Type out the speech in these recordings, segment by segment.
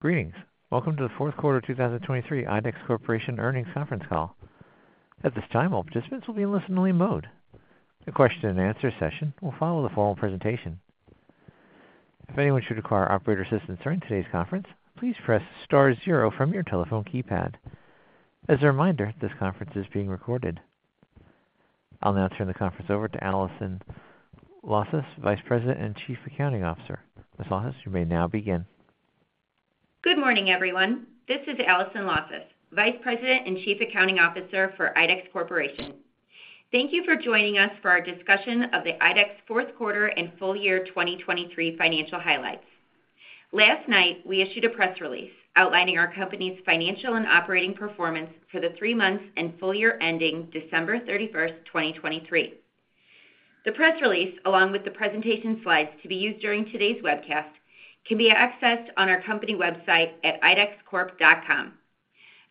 Greetings! Welcome to the fourth quarter 2023 IDEX Corporation Earnings Conference Call. At this time, all participants will be in listen-only mode. The question-and-answer session will follow the formal presentation. If anyone should require operator assistance during today's conference, please press star zero from your telephone keypad. As a reminder, this conference is being recorded. I'll now turn the conference over to Allison Lausas, Vice President and Chief Accounting Officer. Ms. Lausas, you may now begin. Good morning, everyone. This is Allison Lausas, Vice President and Chief Accounting Officer for IDEX Corporation. Thank you for joining us for our discussion of the IDEX Fourth Quarter and Full Year 2023 Financial Highlights. Last night, we issued a press release outlining our company's financial and operating performance for the three months and full year ending December 31st, 2023. The press release, along with the presentation slides to be used during today's webcast, can be accessed on our company website at idexcorp.com.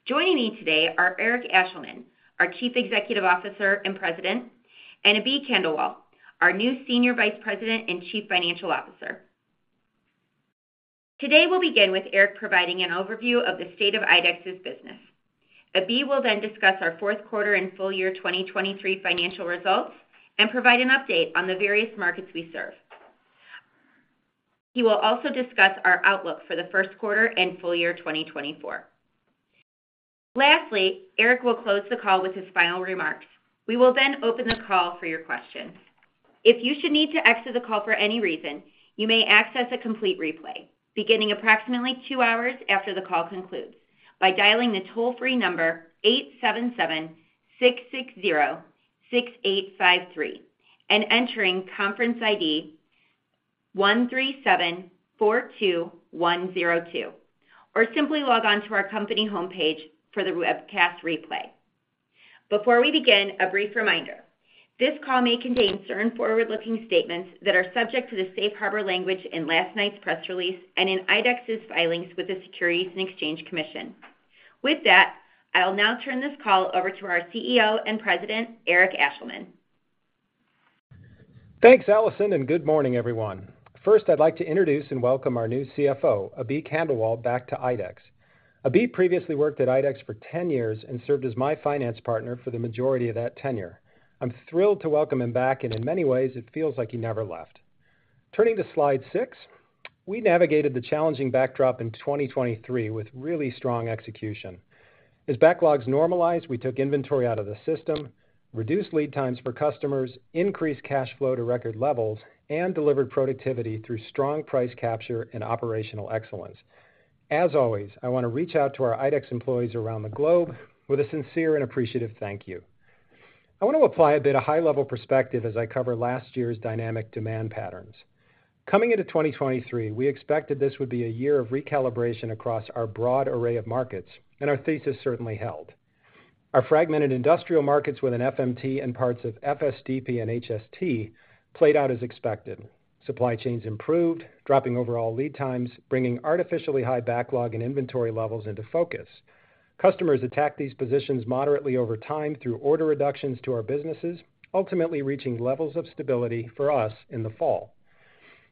Joining me today are Eric Ashleman, our Chief Executive Officer and President, and Abhi Khandelwal, our new Senior Vice President and Chief Financial Officer. Today, we'll begin with Eric providing an overview of the state of IDEX's business. Abhi will then discuss our fourth quarter and full year 2023 financial results and provide an update on the various markets we serve. He will also discuss our outlook for the first quarter and full year 2024. Lastly, Eric will close the call with his final remarks. We will then open the call for your questions. If you should need to exit the call for any reason, you may access a complete replay beginning approximately 2 hours after the call concludes by dialing the toll-free number 877-660-6853 and entering Conference ID 13742102, or simply log on to our company homepage for the webcast replay. Before we begin, a brief reminder: This call may contain certain forward-looking statements that are subject to the safe harbor language in last night's press release and in IDEX's filings with the Securities and Exchange Commission. With that, I'll now turn this call over to our CEO and President, Eric Ashleman. Thanks, Allison, and good morning, everyone. First, I'd like to introduce and welcome our new CFO, Abhi Khandelwal, back to IDEX. Abhi previously worked at IDEX for 10 years and served as my finance partner for the majority of that tenure. I'm thrilled to welcome him back, and in many ways, it feels like he never left. Turning to slide 6, we navigated the challenging backdrop in 2023 with really strong execution. As backlogs normalized, we took inventory out of the system, reduced lead times for customers, increased cash flow to record levels, and delivered productivity through strong price capture and operational excellence. As always, I want to reach out to our IDEX employees around the globe with a sincere and appreciative thank you. I want to apply a bit of high-level perspective as I cover last year's dynamic demand patterns. Coming into 2023, we expected this would be a year of recalibration across our broad array of markets, and our thesis certainly held. Our fragmented industrial markets with an FMT and parts of FSDP and HST played out as expected. Supply chains improved, dropping overall lead times, bringing artificially high backlog and inventory levels into focus. Customers attacked these positions moderately over time through order reductions to our businesses, ultimately reaching levels of stability for us in the fall.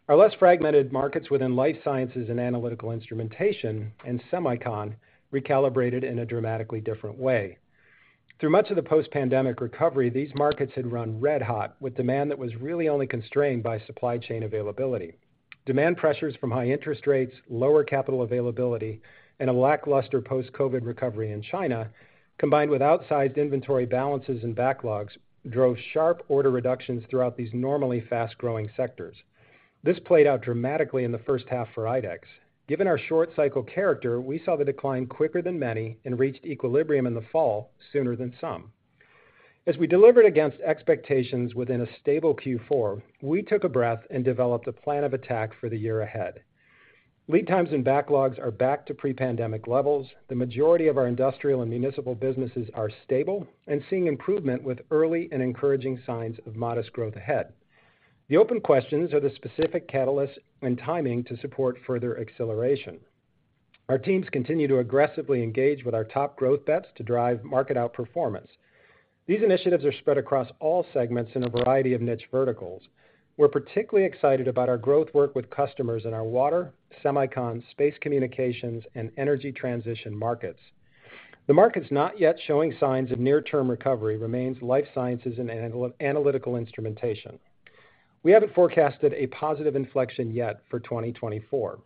Our less fragmented markets within Life Sciences and Analytical Instrumentation and semicon recalibrated in a dramatically different way. Through much of the post-pandemic recovery, these markets had run red-hot, with demand that was really only constrained by supply chain availability. Demand pressures from high interest rates, lower capital availability, and a lackluster post-COVID recovery in China, combined with outsized inventory balances and backlogs, drove sharp order reductions throughout these normally fast-growing sectors. This played out dramatically in the first half for IDEX. Given our short cycle character, we saw the decline quicker than many and reached equilibrium in the fall sooner than some. As we delivered against expectations within a stable Q4, we took a breath and developed a plan of attack for the year ahead. Lead times and backlogs are back to pre-pandemic levels. The majority of our industrial and municipal businesses are stable and seeing improvement, with early and encouraging signs of modest growth ahead. The open questions are the specific catalysts and timing to support further acceleration. Our teams continue to aggressively engage with our top growth bets to drive market outperformance. These initiatives are spread across all segments in a variety of niche verticals. We're particularly excited about our growth work with customers in our water, semicon, space communications, and energy transition markets. The markets not yet showing signs of near-term recovery remains Life Sciences and Analytical Instrumentation. We haven't forecasted a positive inflection yet for 2024.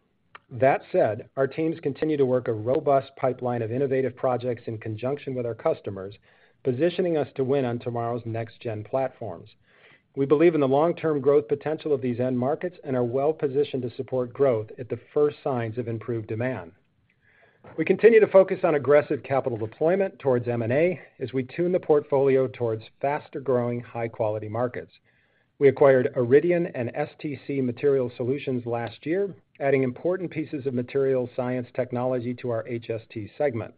That said, our teams continue to work a robust pipeline of innovative projects in conjunction with our customers, positioning us to win on tomorrow's next-gen platforms. We believe in the long-term growth potential of these end markets and are well-positioned to support growth at the first signs of improved demand. We continue to focus on aggressive capital deployment towards M&A as we tune the portfolio towards faster-growing, high-quality markets. We acquired Iridian and STC Material Solutions last year, adding important pieces of material science technology to our HST segment.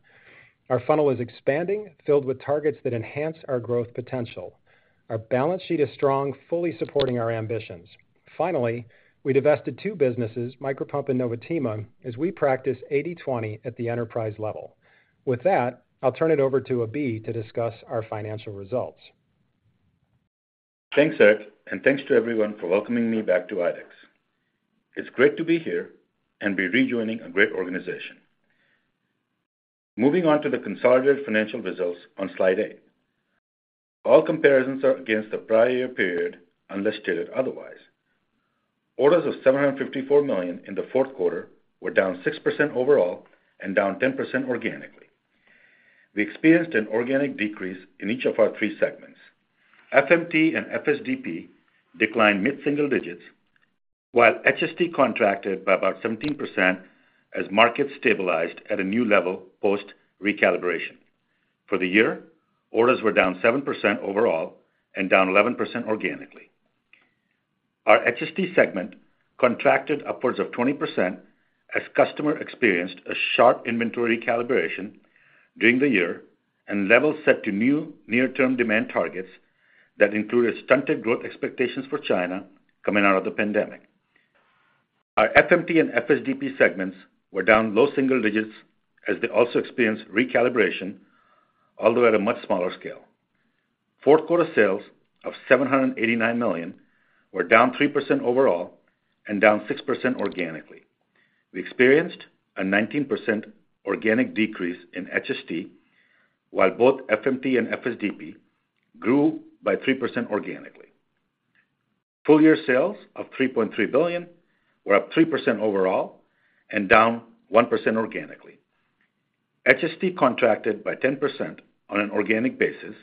Our funnel is expanding, filled with targets that enhance our growth potential. Our balance sheet is strong, fully supporting our ambitions. Finally, we divested two businesses, Micropump and Novotema, as we practice 80/20 at the enterprise level. With that, I'll turn it over to Abhi to discuss our financial results. Thanks, Eric, and thanks to everyone for welcoming me back to IDEX. It's great to be here and be rejoining a great organization. Moving on to the consolidated financial results on slide 8. All comparisons are against the prior year period, unless stated otherwise. Orders of $754 million in the fourth quarter were down 6% overall and down 10% organically. We experienced an organic decrease in each of our three segments. FMT and FSDP declined mid-single digits, while HST contracted by about 17% as markets stabilized at a new level post recalibration. For the year, orders were down 7% overall and down 11% organically. Our HST segment contracted upwards of 20% as customer experienced a sharp inventory calibration during the year, and levels set to new near-term demand targets that included stunted growth expectations for China coming out of the pandemic. Our FMT and FSDP segments were down low single digits as they also experienced recalibration, although at a much smaller scale. Fourth quarter sales of $789 million were down 3% overall and down 6% organically. We experienced a 19% organic decrease in HST, while both FMT and FSDP grew by 3% organically. Full year sales of $3.3 billion were up 3% overall and down 1% organically. HST contracted by 10% on an organic basis,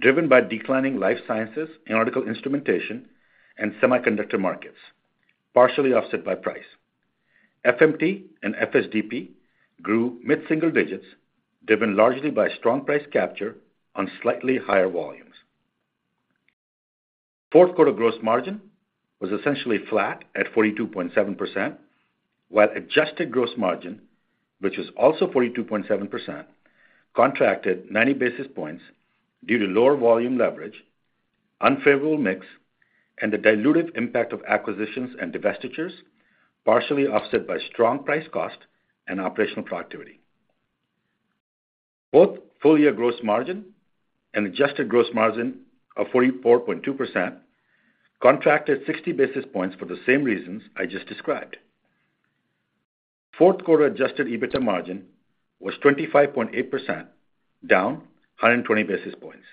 driven by declining life sciences, analytical instrumentation, and semiconductor markets, partially offset by price. FMT and FSDP grew mid-single digits, driven largely by strong price capture on slightly higher volumes. Fourth quarter gross margin was essentially flat at 42.7%, while adjusted gross margin, which is also 42.7%, contracted 90 basis points due to lower volume leverage, unfavorable mix, and the dilutive impact of acquisitions and divestitures, partially offset by strong price-cost and operational productivity. Both full-year gross margin and adjusted gross margin of 44.2% contracted 60 basis points for the same reasons I just described. Fourth quarter adjusted EBITDA margin was 25.8%, down 120 basis points.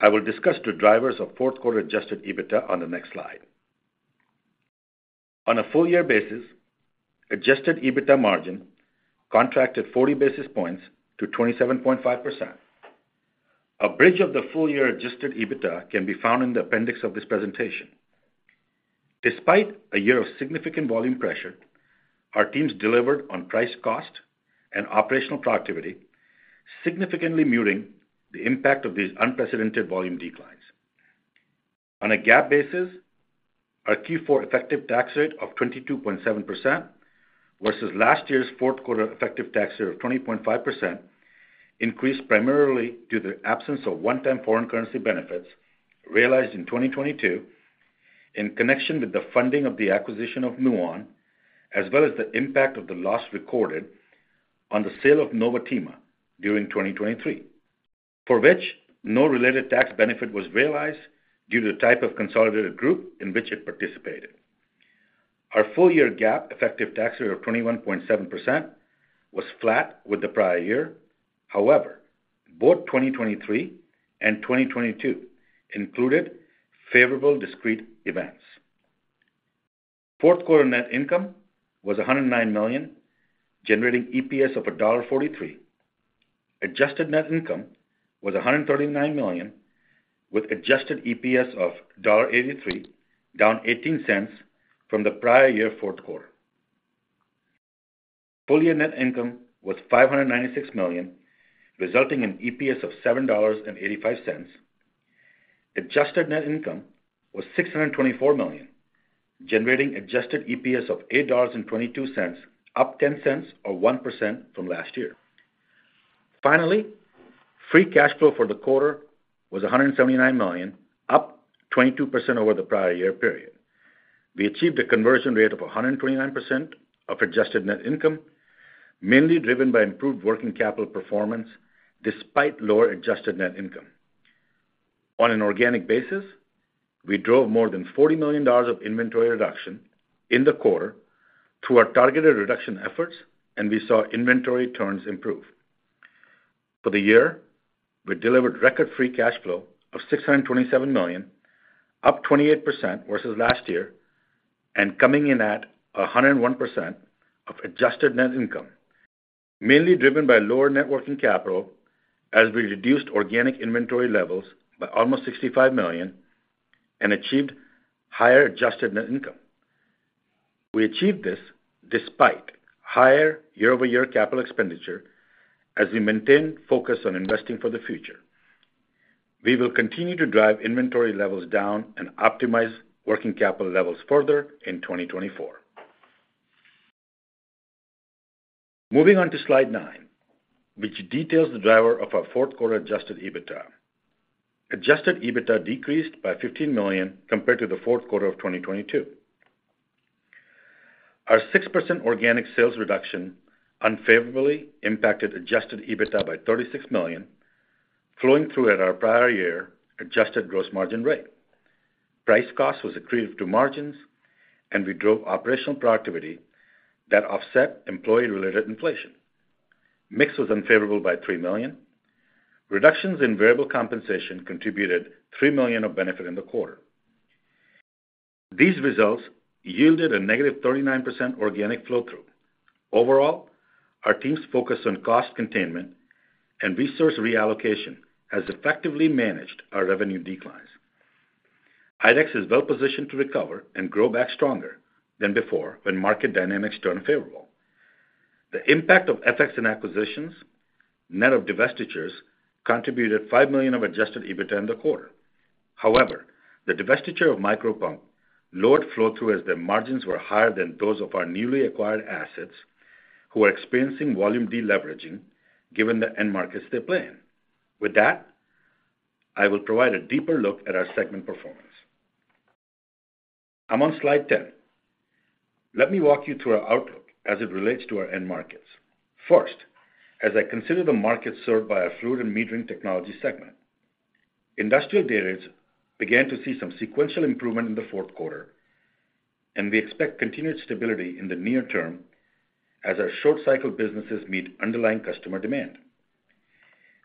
I will discuss the drivers of fourth quarter adjusted EBITDA on the next slide. On a full year basis, adjusted EBITDA margin contracted 40 basis points to 27.5%. A bridge of the full-year adjusted EBITDA can be found in the appendix of this presentation. Despite a year of significant volume pressure, our teams delivered on price-cost and operational productivity, significantly muting the impact of these unprecedented volume declines. On a GAAP basis, our Q4 effective tax rate of 22.7% versus last year's fourth quarter effective tax rate of 20.5%, increased primarily due to the absence of one-time foreign currency benefits realized in 2022, in connection with the funding of the acquisition of Muon, as well as the impact of the loss recorded on the sale of Novotema during 2023, for which no related tax benefit was realized due to the type of consolidated group in which it participated. Our full-year GAAP effective tax rate of 21.7% was flat with the prior year. However, both 2023 and 2022 included favorable discrete events. Fourth quarter net income was $109 million, generating EPS of $1.43. Adjusted net income was $139 million, with adjusted EPS of $1.83, down $0.18 from the prior year fourth quarter. Full year net income was $596 million, resulting in EPS of $7.85. Adjusted net income was $624 million, generating adjusted EPS of $8.22, up $0.1 or 1% from last year. Finally, free cash flow for the quarter was $179 million, up 22% over the prior year period. We achieved a conversion rate of 129% of adjusted net income, mainly driven by improved working capital performance despite lower adjusted net income. On an organic basis, we drove more than $40 million of inventory reduction in the quarter through our targeted reduction efforts, and we saw inventory turns improve. For the year, we delivered record free cash flow of $627 million, up 28% versus last year, and coming in at 101% of adjusted net income, mainly driven by lower net working capital as we reduced organic inventory levels by almost $65 million and achieved higher adjusted net income. We achieved this despite higher year-over-year capital expenditure as we maintained focus on investing for the future. We will continue to drive inventory levels down and optimize working capital levels further in 2024. Moving on to slide 9, which details the driver of our fourth quarter adjusted EBITDA. Adjusted EBITDA decreased by $15 million compared to the fourth quarter of 2022. Our 6% organic sales reduction unfavorably impacted adjusted EBITDA by $36 million, flowing through at our prior year adjusted gross margin rate. Price cost was accretive to margins, and we drove operational productivity that offset employee-related inflation. Mix was unfavorable by $3 million. Reductions in variable compensation contributed $3 million of benefit in the quarter. These results yielded a -39% organic flow-through. Overall, our team's focus on cost containment and resource reallocation has effectively managed our revenue declines. IDEX is well-positioned to recover and grow back stronger than before when market dynamics turn favorable. The impact of FX and acquisitions, net of divestitures, contributed $5 million of adjusted EBITDA in the quarter. However, the divestiture of Micropump lowered flow-through as their margins were higher than those of our newly acquired assets, who are experiencing volume de-leveraging given the end markets they play in. With that, I will provide a deeper look at our segment performance. I'm on slide 10. Let me walk you through our outlook as it relates to our end markets. First, as I consider the markets served by our Fluid & Metering Technologies segment, industrial day rates began to see some sequential improvement in the fourth quarter, and we expect continued stability in the near term as our short-cycle businesses meet underlying customer demand.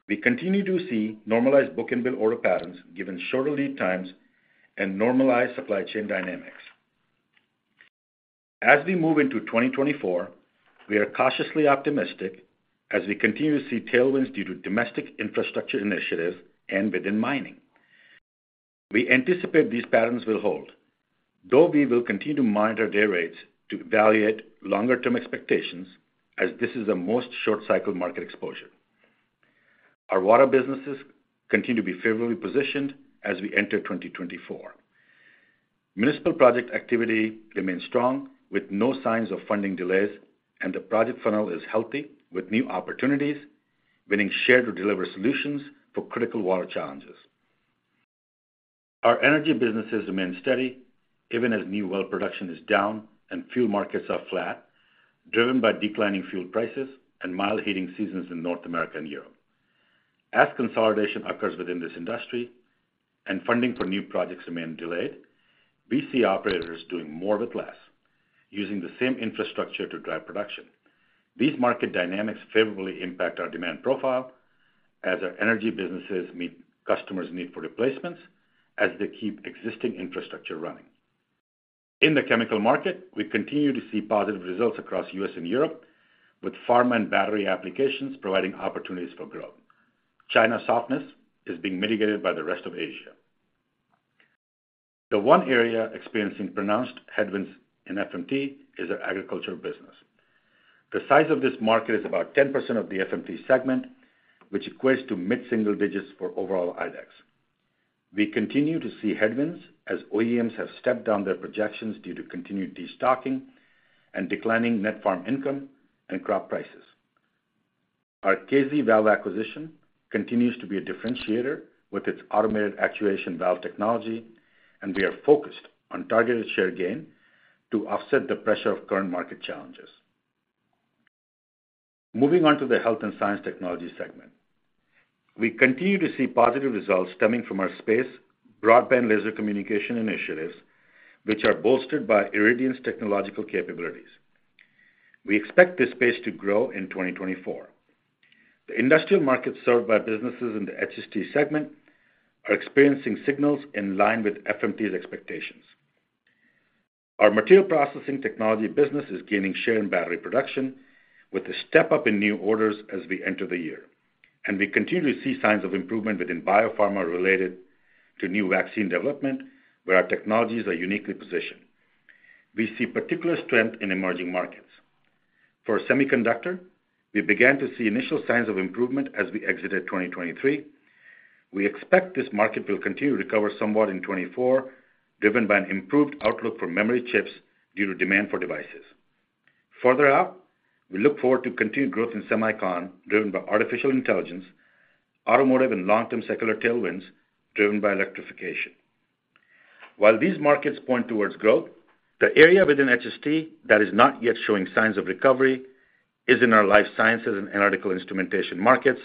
We continue to see normalized book-to-bill order patterns, given shorter lead times and normalized supply chain dynamics. As we move into 2024, we are cautiously optimistic as we continue to see tailwinds due to domestic infrastructure initiatives and within mining. We anticipate these patterns will hold, though we will continue to monitor day rates to evaluate longer-term expectations, as this is the most short-cycle market exposure. Our water businesses continue to be favorably positioned as we enter 2024. Municipal project activity remains strong, with no signs of funding delays, and the project funnel is healthy, with new opportunities, winning share to deliver solutions for critical water challenges. Our energy businesses remain steady, even as new well production is down and fuel markets are flat, driven by declining fuel prices and mild heating seasons in North America and Europe. As consolidation occurs within this industry and funding for new projects remain delayed, we see operators doing more with less, using the same infrastructure to drive production. These market dynamics favorably impact our demand profile as our energy businesses meet customers' need for replacements as they keep existing infrastructure running. In the chemical market, we continue to see positive results across U.S. and Europe, with pharma and battery applications providing opportunities for growth. China's softness is being mitigated by the rest of Asia. The one area experiencing pronounced headwinds in FMT is our agriculture business. The size of this market is about 10% of the FMT segment, which equates to mid-single digits for overall IDEX. We continue to see headwinds as OEMs have stepped down their projections due to continued destocking and declining net farm income and crop prices. Our KZValve acquisition continues to be a differentiator with its automated actuation valve technology, and we are focused on targeted share gain to offset the pressure of current market challenges. Moving on to the Health & Science Technologies segment. We continue to see positive results stemming from our space broadband laser communication initiatives, which are bolstered by Iridian's technological capabilities. We expect this space to grow in 2024. The industrial markets served by businesses in the HST segment are experiencing signals in line with FMT's expectations. Our material processing technology business is gaining share in battery production, with a step-up in new orders as we enter the year. We continue to see signs of improvement within biopharma related to new vaccine development, where our technologies are uniquely positioned. We see particular strength in emerging markets. For semiconductor, we began to see initial signs of improvement as we exited 2023. We expect this market will continue to recover somewhat in 2024, driven by an improved outlook for memory chips due to demand for devices. Further out, we look forward to continued growth in semicon, driven by artificial intelligence, automotive and long-term secular tailwinds, driven by electrification. While these markets point towards growth, the area within HST that is not yet showing signs of recovery is in our Life Sciences and Analytical Instrumentation markets,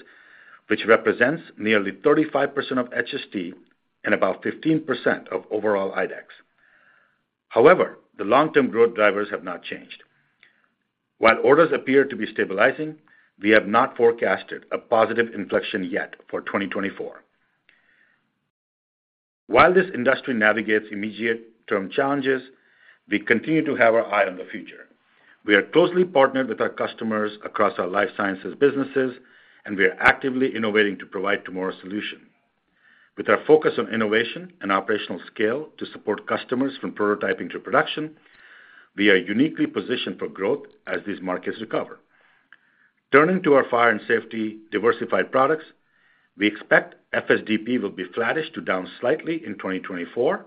which represents nearly 35% of HST and about 15% of overall IDEX. However, the long-term growth drivers have not changed. While orders appear to be stabilizing, we have not forecasted a positive inflection yet for 2024. While this industry navigates immediate-term challenges, we continue to have our eye on the future. We are closely partnered with our customers across our life sciences businesses, and we are actively innovating to provide tomorrow's solution. With our focus on innovation and operational scale to support customers from prototyping to production, we are uniquely positioned for growth as these markets recover. Turning to our Fire & Safety / Diversified Products, we expect FSDP will be flattish to down slightly in 2024,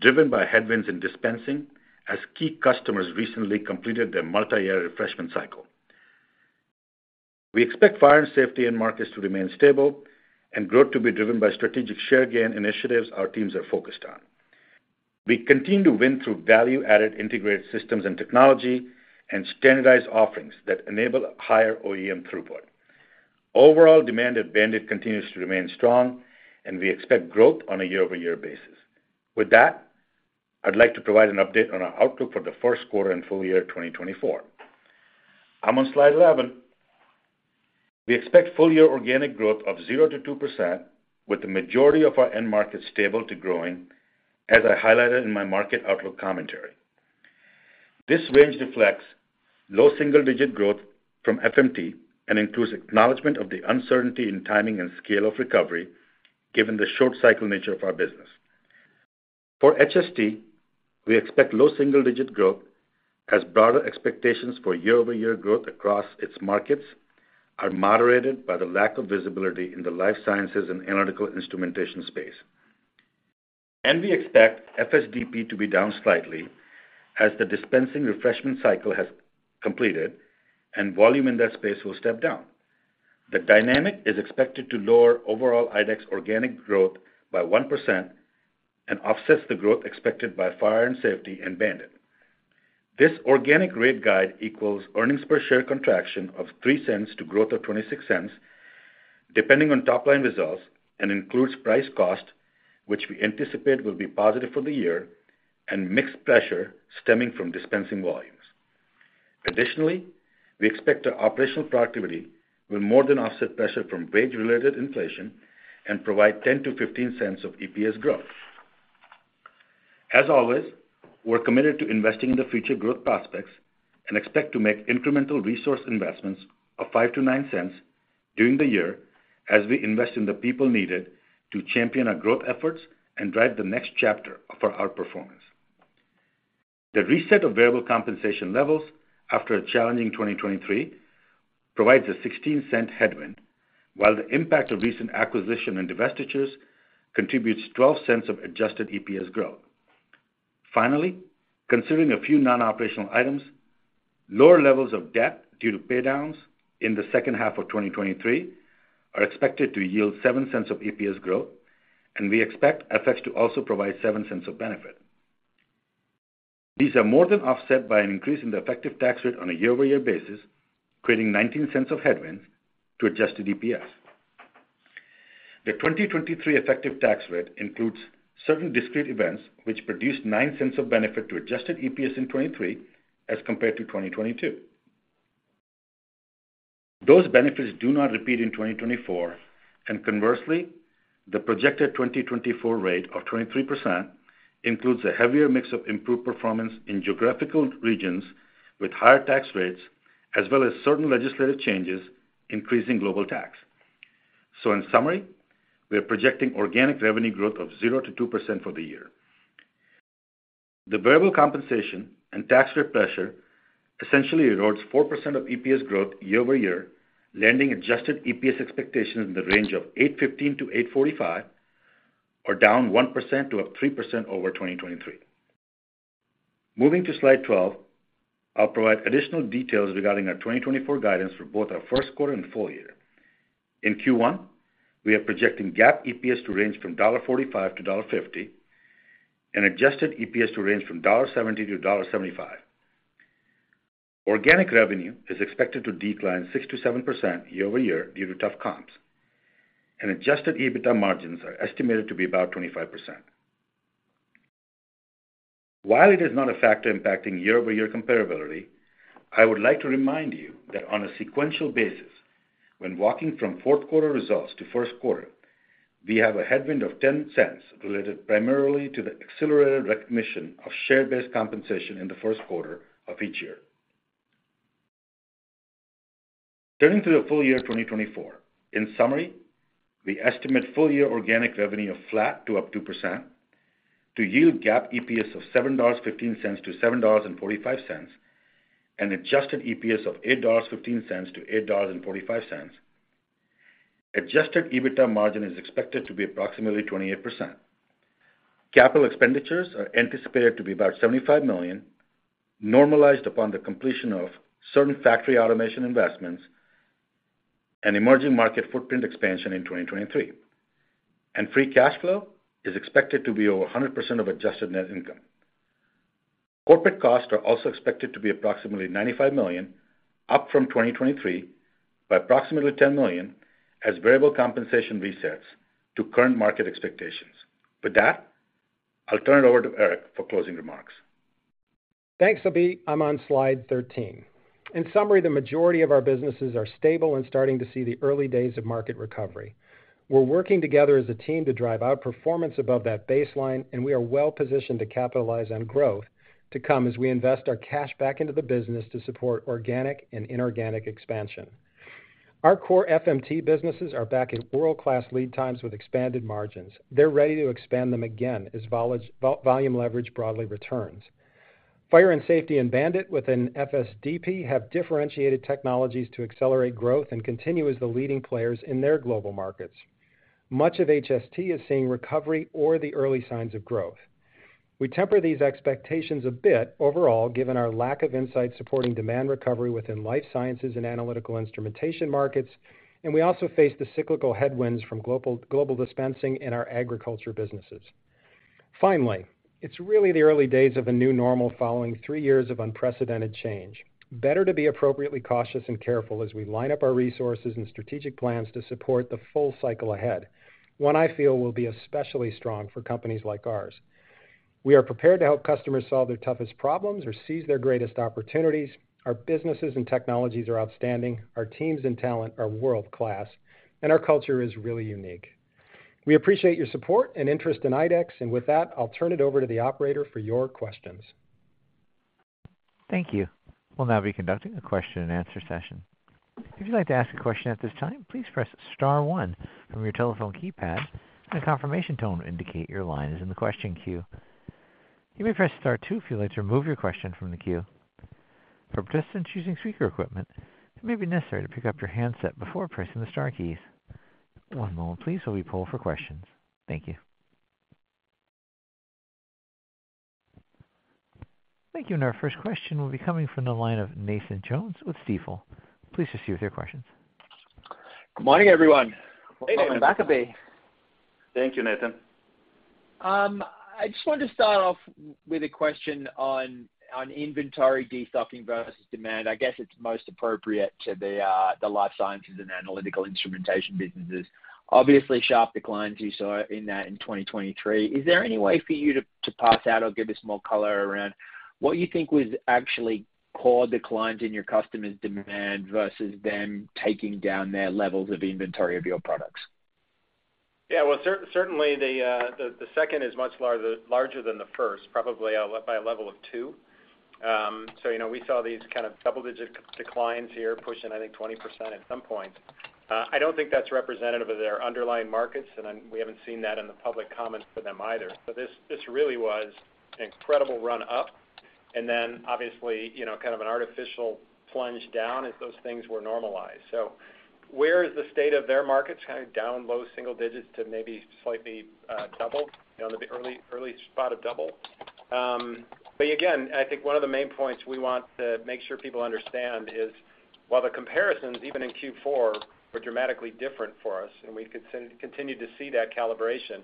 driven by headwinds in dispensing, as key customers recently completed their multi-year refreshment cycle. We expect Fire & Safety end markets to remain stable and growth to be driven by strategic share gain initiatives our teams are focused on. We continue to win through value-added integrated systems and technology, and standardized offerings that enable higher OEM throughput. Overall demand at BAND-IT continues to remain strong, and we expect growth on a year-over-year basis. With that, I'd like to provide an update on our outlook for the first quarter and full year 2024. I'm on slide 11. We expect full-year organic growth of 0%-2%, with the majority of our end markets stable to growing, as I highlighted in my market outlook commentary. This range reflects low single-digit growth from FMT and includes acknowledgment of the uncertainty in timing and scale of recovery, given the short cycle nature of our business. For HST, we expect low single-digit growth as broader expectations for year-over-year growth across its markets are moderated by the lack of visibility in the Life Sciences and Analytical Instrumentation space. We expect FSDP to be down slightly as the dispensing refreshment cycle has completed and volume in that space will step down. The dynamic is expected to lower overall IDEX organic growth by 1% and offsets the growth expected by Fire & Safety and BAND-IT. This organic rate guide equals earnings per share contraction of $0.03 to growth of $0.26, depending on top-line results, and includes price-cost, which we anticipate will be positive for the year, and mix pressure stemming from dispensing volumes. Additionally, we expect our operational productivity will more than offset pressure from wage-related inflation and provide $0.10-$0.15 of EPS growth. As always, we're committed to investing in the future growth prospects and expect to make incremental resource investments of $0.05-$0.09 during the year as we invest in the people needed to champion our growth efforts and drive the next chapter of our outperformance. The reset of variable compensation levels after a challenging 2023 provides a $0.16 headwind, while the impact of recent acquisition and divestitures contributes $0.12 of Adjusted EPS growth. Finally, considering a few non-operational items, lower levels of debt due to pay downs in the second half of 2023 are expected to yield $0.07 of EPS growth, and we expect FX to also provide $0.07 of benefit. These are more than offset by an increase in the effective tax rate on a year-over-year basis, creating $0.19 of headwind to Adjusted EPS. The 2023 effective tax rate includes certain discrete events, which produced $0.09 of benefit to Adjusted EPS in 2023 as compared to 2022. Those benefits do not repeat in 2024, and conversely, the projected 2024 rate of 23% includes a heavier mix of improved performance in geographical regions with higher tax rates, as well as certain legislative changes increasing global tax. In summary, we are projecting organic revenue growth of 0%-2% for the year. The variable compensation and tax rate pressure essentially erodes 4% of EPS growth year-over-year, landing Adjusted EPS expectations in the range of $8.15-$8.45, or down 1% to up 3% over 2023. Moving to slide 12, I'll provide additional details regarding our 2024 guidance for both our first quarter and full year. In Q1, we are projecting GAAP EPS to range from $0.45 to $0.50 and adjusted EPS to range from $0.70 to $0.75. Organic revenue is expected to decline 6%-7% year-over-year due to tough comps, and adjusted EBITDA margins are estimated to be about 25%. While it is not a factor impacting year-over-year comparability, I would like to remind you that on a sequential basis, when walking from fourth quarter results to first quarter, we have a headwind of $0.10 related primarily to the accelerated recognition of share-based compensation in the first quarter of each year. Turning to the full year 2024. In summary, we estimate full-year organic revenue of flat to up 2% to yield GAAP EPS of $7.15-$7.45, and adjusted EPS of $8.15-$8.45. Adjusted EBITDA margin is expected to be approximately 28%. Capital expenditures are anticipated to be about $75 million, normalized upon the completion of certain factory automation investments and emerging market footprint expansion in 2023. And free cash flow is expected to be over 100% of adjusted net income. Corporate costs are also expected to be approximately $95 million, up from 2023 by approximately $10 million, as variable compensation resets to current market expectations. With that, I'll turn it over to Eric for closing remarks. Thanks, Abhi. I'm on slide 13. In summary, the majority of our businesses are stable and starting to see the early days of market recovery. We're working together as a team to drive outperformance above that baseline, and we are well positioned to capitalize on growth to come as we invest our cash back into the business to support organic and inorganic expansion. Our core FMT businesses are back in world-class lead times with expanded margins. They're ready to expand them again as volume leverage broadly returns. Fire & Safety and BAND-IT within FSDP have differentiated technologies to accelerate growth and continue as the leading players in their global markets. much of HST is seeing recovery or the early signs of growth. We temper these expectations a bit overall, given our lack of insight supporting demand recovery within Life Sciences and Analytical Instrumentation markets, and we also face the cyclical headwinds from global dispensing in our agriculture businesses. Finally, it's really the early days of a new normal following three years of unprecedented change. Better to be appropriately cautious and careful as we line up our resources and strategic plans to support the full cycle ahead, one I feel will be especially strong for companies like ours. We are prepared to help customers solve their toughest problems or seize their greatest opportunities. Our businesses and technologies are outstanding, our teams and talent are world-class, and our culture is really unique. We appreciate your support and interest in IDEX. With that, I'll turn it over to the operator for your questions. Thank you. We'll now be conducting a question-and-answer session. If you'd like to ask a question at this time, please press star one from your telephone keypad, and a confirmation tone will indicate your line is in the question queue. You may press star two if you'd like to remove your question from the queue. For participants using speaker equipment, it may be necessary to pick up your handset before pressing the star keys. One moment, please, while we poll for questions. Thank you. Thank you. And our first question will be coming from the line of Nathan Jones with Stifel. Please proceed with your questions. Good morning, everyone. Welcome back, Abhi. Thank you, Nathan. I just wanted to start off with a question on inventory destocking versus demand. I guess it's most appropriate to the Life Sciences and Analytical Instrumentation businesses. Obviously, sharp declines you saw in that in 2023. Is there any way for you to parse out or give us more color around what you think was actually core declines in your customers' demand versus them taking down their levels of inventory of your products? Yeah. Well, certainly, the second is much larger than the first, probably by a level of two. So, you know, we saw these kind of double-digit declines here, pushing, I think, 20% at some point. I don't think that's representative of their underlying markets, and then we haven't seen that in the public comments for them either. So this really was an incredible run up, and then obviously, you know, kind of an artificial plunge down as those things were normalized. So where is the state of their markets? Kind of down low single digits to maybe slightly double, you know, the early spot of double. But again, I think one of the main points we want to make sure people understand is, while the comparisons, even in Q4, were dramatically different for us, and we continue to see that calibration,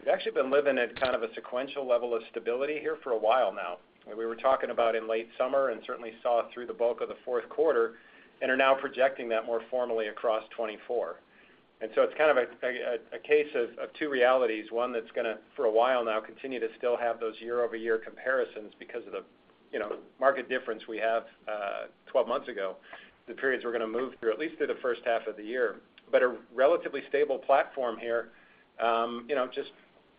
we've actually been living at kind of a sequential level of stability here for a while now. And we were talking about in late summer and certainly saw through the bulk of the fourth quarter, and are now projecting that more formally across 2024. And so it's kind of a case of two realities, one that's gonna, for a while now, continue to still have those year-over-year comparisons because of the, you know, market difference we have, 12 months ago, the periods we're gonna move through, at least through the first half of the year. A relatively stable platform here, you know, just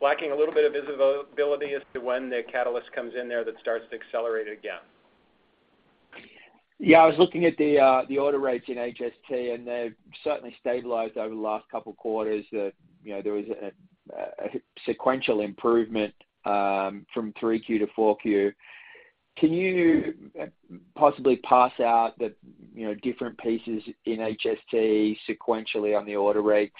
lacking a little bit of visibility as to when the catalyst comes in there that starts to accelerate again. Yeah, I was looking at the order rates in HST, and they've certainly stabilized over the last couple of quarters. You know, there was a sequential improvement from 3Q to 4Q. Can you possibly parse out the different pieces in HST sequentially on the order rates,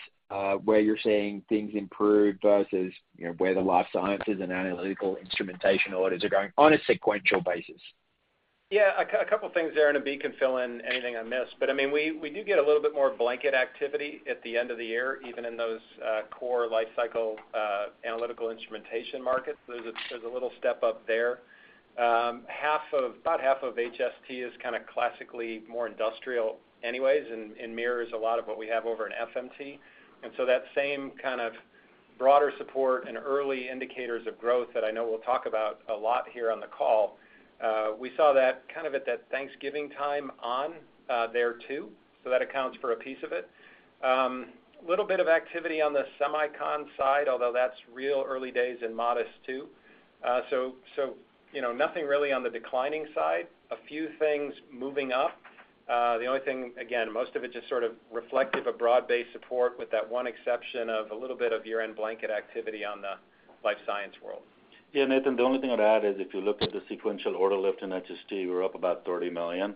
where you're seeing things improve versus where the Life Sciences and Analytical Instrumentation orders are going on a sequential basis? Yeah, a couple things there, and Abhi can fill in anything I miss. But I mean, we do get a little bit more blanket activity at the end of the year, even in those core life cycle analytical instrumentation markets. There's a little step up there. About half of HST is kind of classically more industrial anyways, and mirrors a lot of what we have over in FMT. And so that same kind of broader support and early indicators of growth that I know we'll talk about a lot here on the call, we saw that kind of at that Thanksgiving time on there too. So that accounts for a piece of it. A little bit of activity on the semicon side, although that's real early days and modest too. So, so, you know, nothing really on the declining side. A few things moving up. The only thing, again, most of it just sort of reflective of broad-based support with that one exception of a little bit of year-end blanket activity on the life science world. Yeah, Nathan, the only thing I'd add is if you look at the sequential order lift in HST, we're up about $30 million.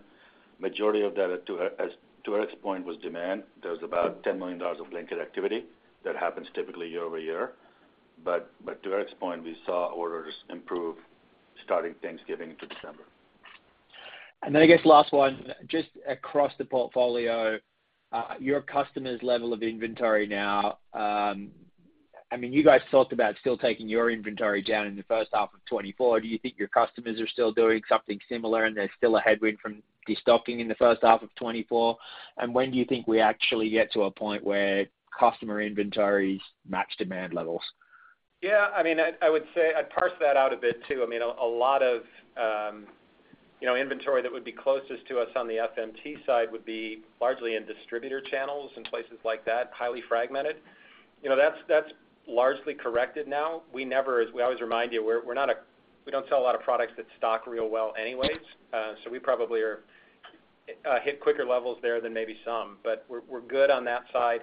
Majority of that, as to Eric's point, was demand. There was about $10 million of blanket activity that happens typically year-over-year. But to Eric's point, we saw orders improve starting Thanksgiving into December. And then I guess last one, just across the portfolio, your customers' level of inventory now, I mean, you guys talked about still taking your inventory down in the first half of 2024. Do you think your customers are still doing something similar, and there's still a headwind from destocking in the first half of 2024? And when do you think we actually get to a point where customer inventories match demand levels? Yeah, I mean, I would say I'd parse that out a bit, too. I mean, a lot of, you know, inventory that would be closest to us on the FMT side would be largely in distributor channels and places like that, highly fragmented. You know, that's largely corrected now. We never, as we always remind you, we're not, we don't sell a lot of products that stock real well anyways, so we probably are hit quicker levels there than maybe some, but we're good on that side.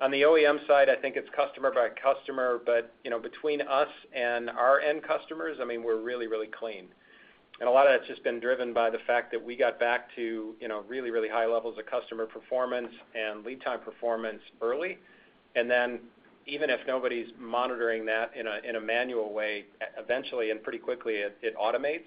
On the OEM side, I think it's customer by customer, but, you know, between us and our end customers, I mean, we're really, really clean. And a lot of that's just been driven by the fact that we got back to, you know, really, really high levels of customer performance and lead time performance early. And then even if nobody's monitoring that in a manual way, eventually, and pretty quickly, it automates,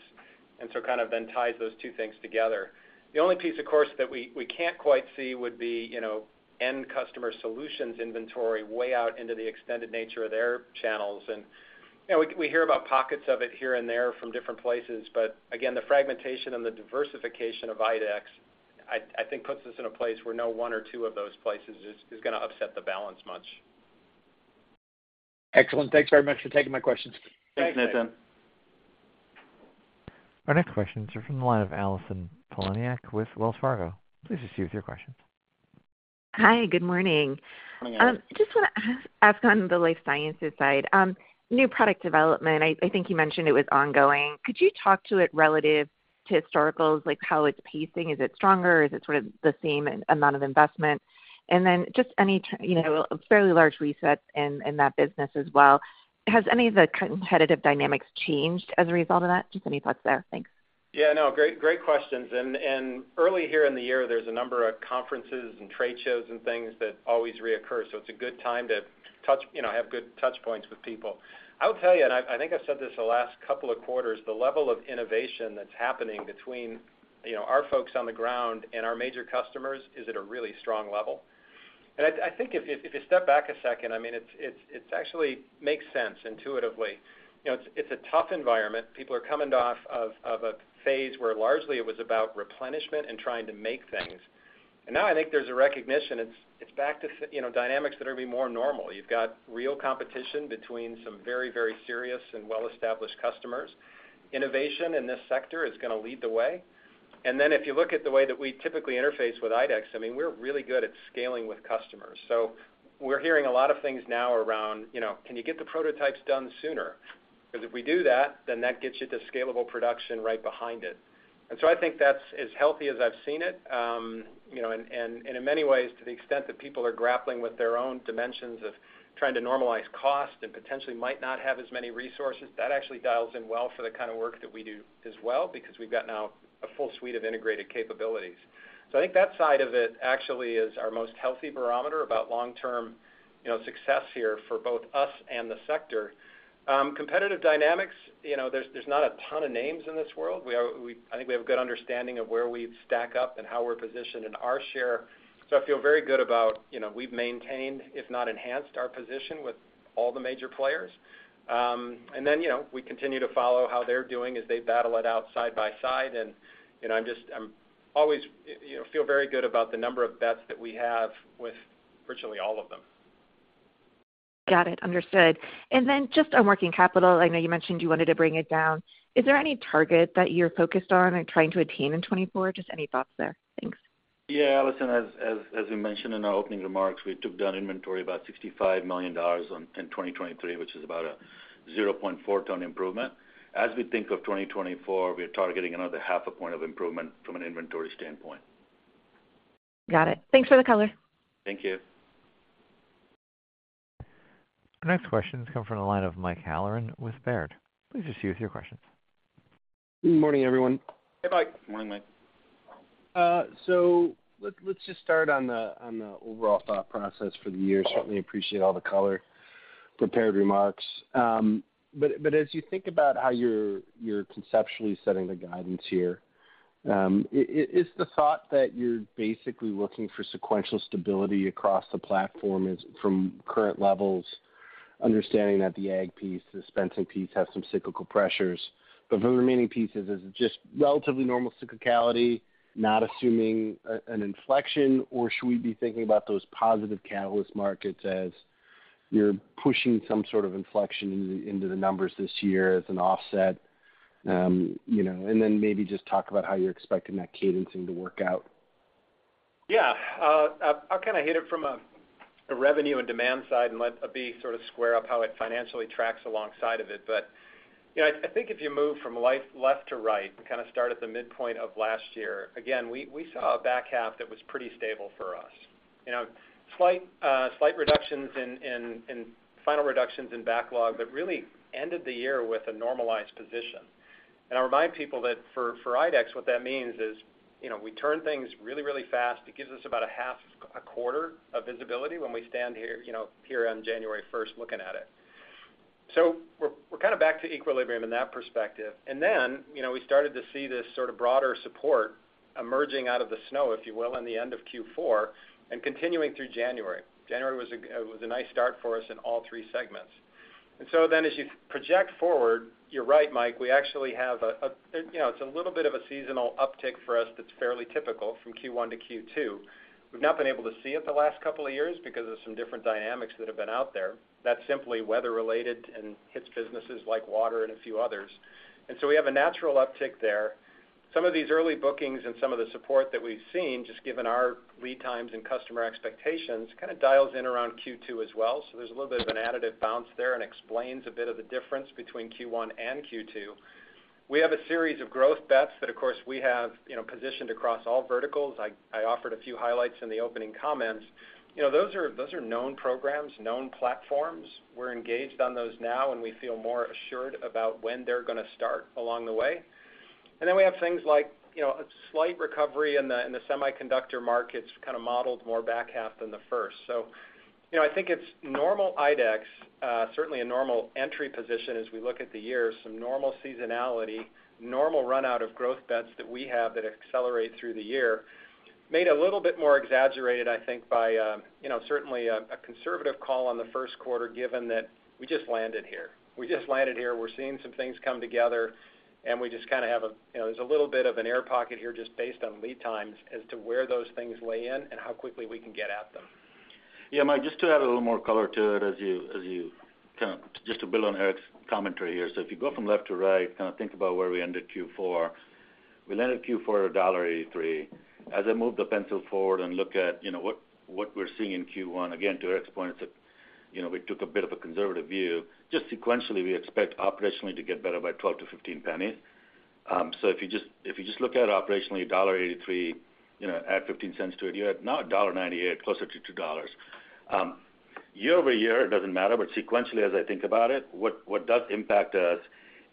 and so kind of then ties those two things together. The only piece, of course, that we can't quite see would be, you know, end customer solutions inventory way out into the extended nature of their channels. And, you know, we hear about pockets of it here and there from different places, but again, the fragmentation and the diversification of IDEX, I think, puts us in a place where no one or two of those places is gonna upset the balance much. Excellent. Thanks very much for taking my questions. Thanks, Nathan. Our next questions are from the line of Allison Poliniak with Wells Fargo. Please proceed with your questions. Hi, good morning. Good morning, Allison. Just wanna ask on the life sciences side. New product development, I think you mentioned it was ongoing. Could you talk to it relative to historicals, like how it's pacing? Is it stronger? Is it sort of the same amount of investment? And then just any thoughts, you know, a fairly large reset in that business as well. Has any of the competitive dynamics changed as a result of that? Just any thoughts there? Thanks. Yeah, no, great, great questions. And early here in the year, there's a number of conferences and trade shows and things that always reoccur, so it's a good time to touch. You know, have good touch points with people. I'll tell you, and I think I've said this the last couple of quarters, the level of innovation that's happening between, you know, our folks on the ground and our major customers is at a really strong level. And I think if you step back a second, I mean, it's, it actually makes sense intuitively. You know, it's a tough environment. People are coming off of a phase where largely it was about replenishment and trying to make things. And now I think there's a recognition, it's back to, you know, dynamics that are gonna be more normal. You've got real competition between some very, very serious and well-established customers. Innovation in this sector is gonna lead the way. And then if you look at the way that we typically interface with IDEX, I mean, we're really good at scaling with customers. So we're hearing a lot of things now around, you know, "Can you get the prototypes done sooner? Because if we do that, then that gets you to scalable production right behind it." And so I think that's as healthy as I've seen it. You know, and in many ways, to the extent that people are grappling with their own dimensions of trying to normalize cost and potentially might not have as many resources, that actually dials in well for the kind of work that we do as well, because we've got now a full suite of integrated capabilities. So I think that side of it actually is our most healthy barometer about long-term, you know, success here for both us and the sector. Competitive dynamics, you know, there's not a ton of names in this world. I think we have a good understanding of where we stack up and how we're positioned in our share. So I feel very good about, you know, we've maintained, if not enhanced, our position with all the major players. And then, you know, we continue to follow how they're doing as they battle it out side by side. And, you know, I'm always, you know, feel very good about the number of bets that we have with virtually all of them. Got it. Understood. And then just on working capital, I know you mentioned you wanted to bring it down. Is there any target that you're focused on and trying to attain in 2024? Just any thoughts there? Thanks. Yeah, Allison, as we mentioned in our opening remarks, we took down inventory about $65 million in 2023, which is about a 0.4 turn improvement. As we think of 2024, we're targeting another 0.5 point of improvement from an inventory standpoint. Got it. Thanks for the color. Thank you. Our next questions come from the line of Mike Halloran with Baird. Please proceed with your questions. Good morning, everyone. Hey, Mike. Morning, Mike. So let's just start on the overall thought process for the year. Certainly appreciate all the color, prepared remarks. But as you think about how you're conceptually setting the guidance here, is the thought that you're basically looking for sequential stability across the platform from current levels, understanding that the ag piece, the dispensing piece, has some cyclical pressures. But for the remaining pieces, is it just relatively normal cyclicality, not assuming an inflection? Or should we be thinking about those positive catalyst markets as you're pushing some sort of inflection into the numbers this year as an offset? You know, and then maybe just talk about how you're expecting that cadencing to work out. Yeah, I'll kind of hit it from a revenue and demand side and let Abhi sort of square up how it financially tracks alongside of it. But, you know, I think if you move from left to right and kind of start at the midpoint of last year, again, we saw a back half that was pretty stable for us. You know, slight reductions in final reductions in backlog, but really ended the year with a normalized position. And I'll remind people that for IDEX, what that means is, you know, we turn things really, really fast. It gives us about a half a quarter of visibility when we stand here, you know, here on January 1st, looking at it. So we're kind of back to equilibrium in that perspective. Then, you know, we started to see this sort of broader support emerging out of the snow, if you will, in the end of Q4 and continuing through January. January was a nice start for us in all three segments. So then, as you project forward, you're right, Mike, we actually have a, a, you know, it's a little bit of a seasonal uptick for us that's fairly typical from Q1 to Q2. We've not been able to see it the last couple of years because of some different dynamics that have been out there. That's simply weather related and hits businesses like water and a few others. So we have a natural uptick there. Some of these early bookings and some of the support that we've seen, just given our lead times and customer expectations, kind of dials in around Q2 as well. So there's a little bit of an additive bounce there and explains a bit of the difference between Q1 and Q2. We have a series of growth bets that, of course, we have, you know, positioned across all verticals. I offered a few highlights in the opening comments. You know, those are, those are known programs, known platforms. We're engaged on those now, and we feel more assured about when they're gonna start along the way. And then we have things like, you know, a slight recovery in the, in the semiconductor markets, kind of modeled more back half than the first. So, you know, I think it's normal IDEX, certainly a normal entry position as we look at the year, some normal seasonality, normal run out of growth bets that we have that accelerate through the year, made a little bit more exaggerated, I think, by, you know, certainly a conservative call on the first quarter, given that we just landed here. We just landed here. We're seeing some things come together, and we just kind of have a, you know, there's a little bit of an air pocket here just based on lead times as to where those things lay in and how quickly we can get at them. Yeah, Mike, just to add a little more color to it, as you kind of just to build on Eric's commentary here. So if you go from left to right, kind of think about where we ended Q4. We landed Q4 at $1.83. As I move the pencil forward and look at, you know, what we're seeing in Q1, again, to Eric's point, it's that, you know, we took a bit of a conservative view. Just sequentially, we expect operationally to get better by $0.12-$0.15. So if you just look at it operationally, $1.83, you know, add $0.15 to it, you're at now $1.98, closer to $2. year-over-year, it doesn't matter, but sequentially, as I think about it, what does impact us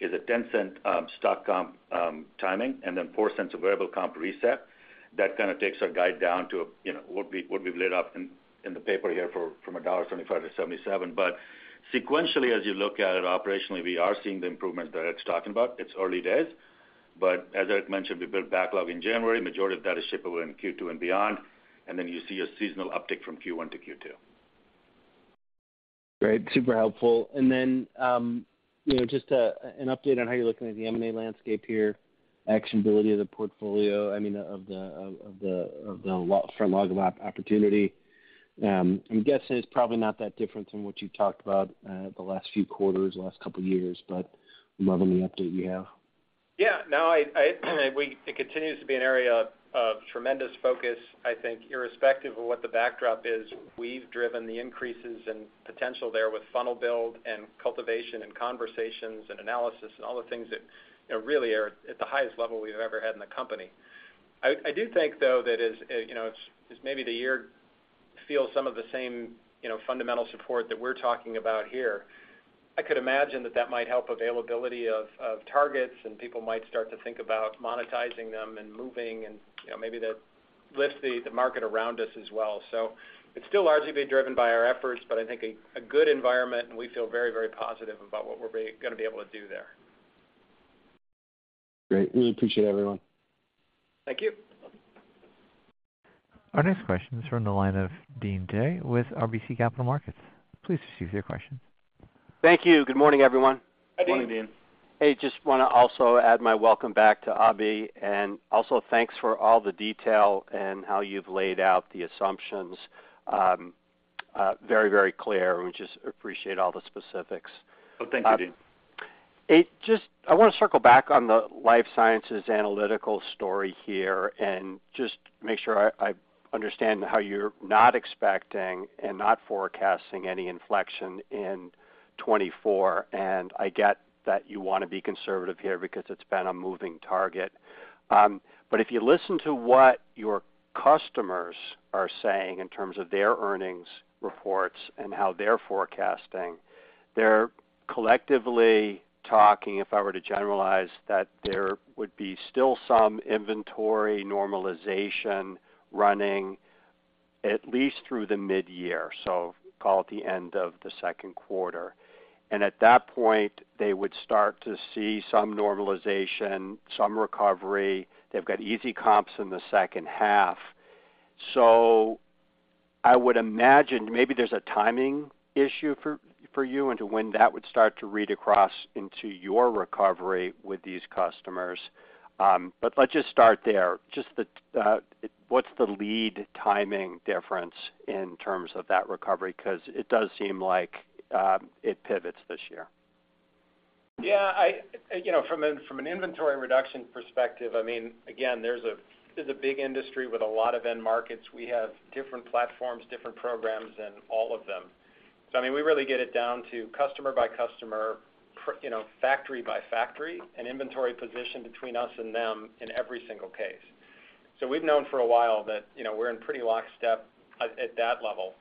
is a $0.10 stock comp timing, and then $0.04 of variable comp reset. That kind of takes our guide down to, you know, what we've laid out in the paper here for $1.75-$1.77. But sequentially, as you look at it operationally, we are seeing the improvement that Eric's talking about. It's early days, but as Eric mentioned, we built backlog in January. Majority of that is shippable in Q2 and beyond, and then you see a seasonal uptick from Q1 to Q2. Great. Super helpful. And then, you know, just an update on how you're looking at the M&A landscape here, actionability of the portfolio, I mean, of the log of opportunity. I'm guessing it's probably not that different than what you've talked about the last few quarters, the last couple of years, but I'm loving the update you have. Yeah, no. It continues to be an area of tremendous focus. I think irrespective of what the backdrop is, we've driven the increases and potential there with funnel build and cultivation and conversations and analysis and all the things that, you know, really are at the highest level we've ever had in the company. I do think, though, that as, you know, as maybe the year feels some of the same, you know, fundamental support that we're talking about here, I could imagine that that might help availability of targets, and people might start to think about monetizing them and moving, and, you know, maybe that lifts the market around us as well. So it's still largely being driven by our efforts, but I think a good environment, and we feel very, very positive about what we're gonna be able to do there. Great. We appreciate it, everyone. Thank you. Our next question is from the line of Deane Dray with RBC Capital Markets. Please proceed with your question. Thank you. Good morning, everyone. Good morning, Deane. Morning, Deane. Hey, just wanna also add my welcome back to Abhi, and also thanks for all the detail and how you've laid out the assumptions. Very, very clear, and we just appreciate all the specifics. Oh, thank you, Deane. It just, I wanna circle back on the life sciences analytical story here and just make sure I understand how you're not expecting and not forecasting any inflection in 2024. I get that you want to be conservative here because it's been a moving target. But if you listen to what your customers are saying in terms of their earnings reports and how they're forecasting, they're collectively talking, if I were to generalize, that there would be still some inventory normalization running at least through the midyear, so call it the end of the second quarter. At that point, they would start to see some normalization, some recovery. They've got easy comps in the second half. I would imagine maybe there's a timing issue for you into when that would start to read across into your recovery with these customers. But let's just start there. Just the, what's the lead timing difference in terms of that recovery? Because it does seem like, it pivots this year. Yeah, I, you know, from an inventory reduction perspective, I mean, again, there's a big industry with a lot of end markets. We have different platforms, different programs in all of them. So, I mean, we really get it down to customer by customer, you know, factory by factory, and inventory position between us and them in every single case. So we've known for a while that, you know, we're in pretty lockstep at that level.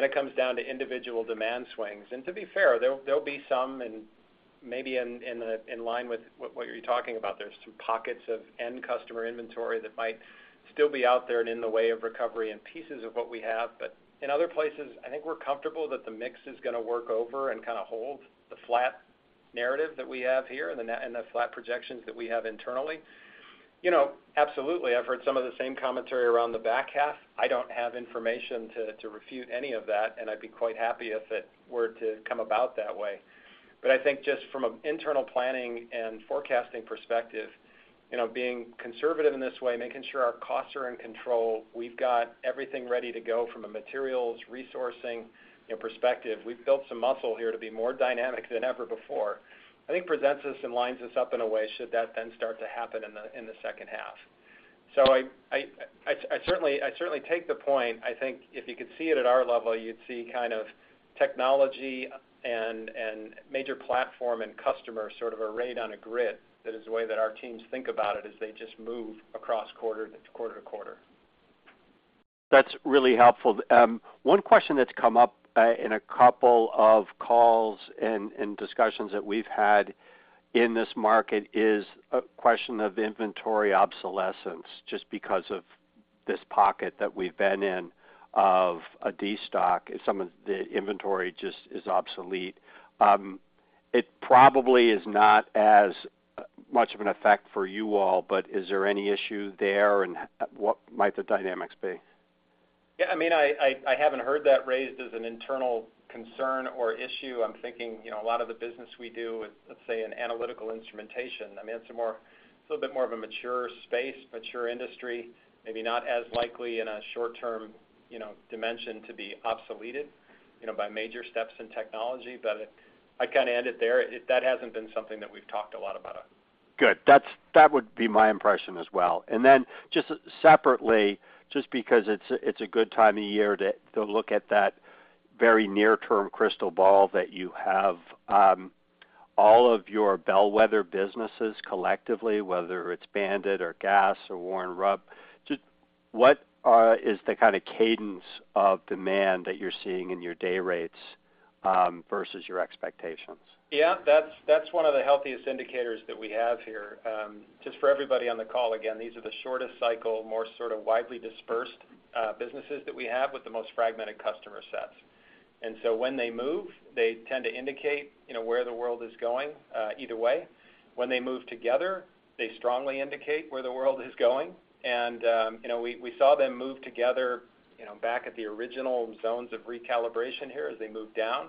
Then it comes down to individual demand swings. And to be fair, there'll be some, and maybe in line with what you're talking about, there's some pockets of end customer inventory that might still be out there and in the way of recovery and pieces of what we have. But in other places, I think we're comfortable that the mix is gonna work over and kind of hold the flat narrative that we have here and the flat projections that we have internally. You know, absolutely, I've heard some of the same commentary around the back half. I don't have information to refute any of that, and I'd be quite happy if it were to come about that way. But I think just from an internal planning and forecasting perspective, you know, being conservative in this way, making sure our costs are in control, we've got everything ready to go from a materials, resourcing, you know, perspective. We've built some muscle here to be more dynamic than ever before. I think presents us and lines us up in a way, should that then start to happen in the second half. So I certainly take the point. I think if you could see it at our level, you'd see kind of technology and major platform and customer sort of arrayed on a grid. That is the way that our teams think about it, as they just move across quarter to quarter. That's really helpful. One question that's come up in a couple of calls and discussions that we've had in this market is a question of inventory obsolescence, just because of this pocket that we've been in of a destock, and some of the inventory just is obsolete. It probably is not as much of an effect for you all, but is there any issue there, and what might the dynamics be? Yeah, I mean, I haven't heard that raised as an internal concern or issue. I'm thinking, you know, a lot of the business we do with, let's say, an analytical instrumentation. I mean, it's a more, it's a little bit more of a mature space, mature industry, maybe not as likely in a short-term, you know, dimension to be obsoleted, you know, by major steps in technology. But I'd kinda end it there. That hasn't been something that we've talked a lot about. Good. That would be my impression as well. And then just separately, just because it's a good time of year to look at that very near-term crystal ball that you have, all of your bellwether businesses collectively, whether it's BAND-IT or Gast or Warren Rupp, just what is the kind of cadence of demand that you're seeing in your day rates versus your expectations? Yeah, that's, that's one of the healthiest indicators that we have here. Just for everybody on the call, again, these are the shortest cycle, more sort of widely dispersed, businesses that we have with the most fragmented customer sets. And so when they move, they tend to indicate, you know, where the world is going, either way. When they move together, they strongly indicate where the world is going. And, you know, we, we saw them move together, you know, back at the original zones of recalibration here as they moved down.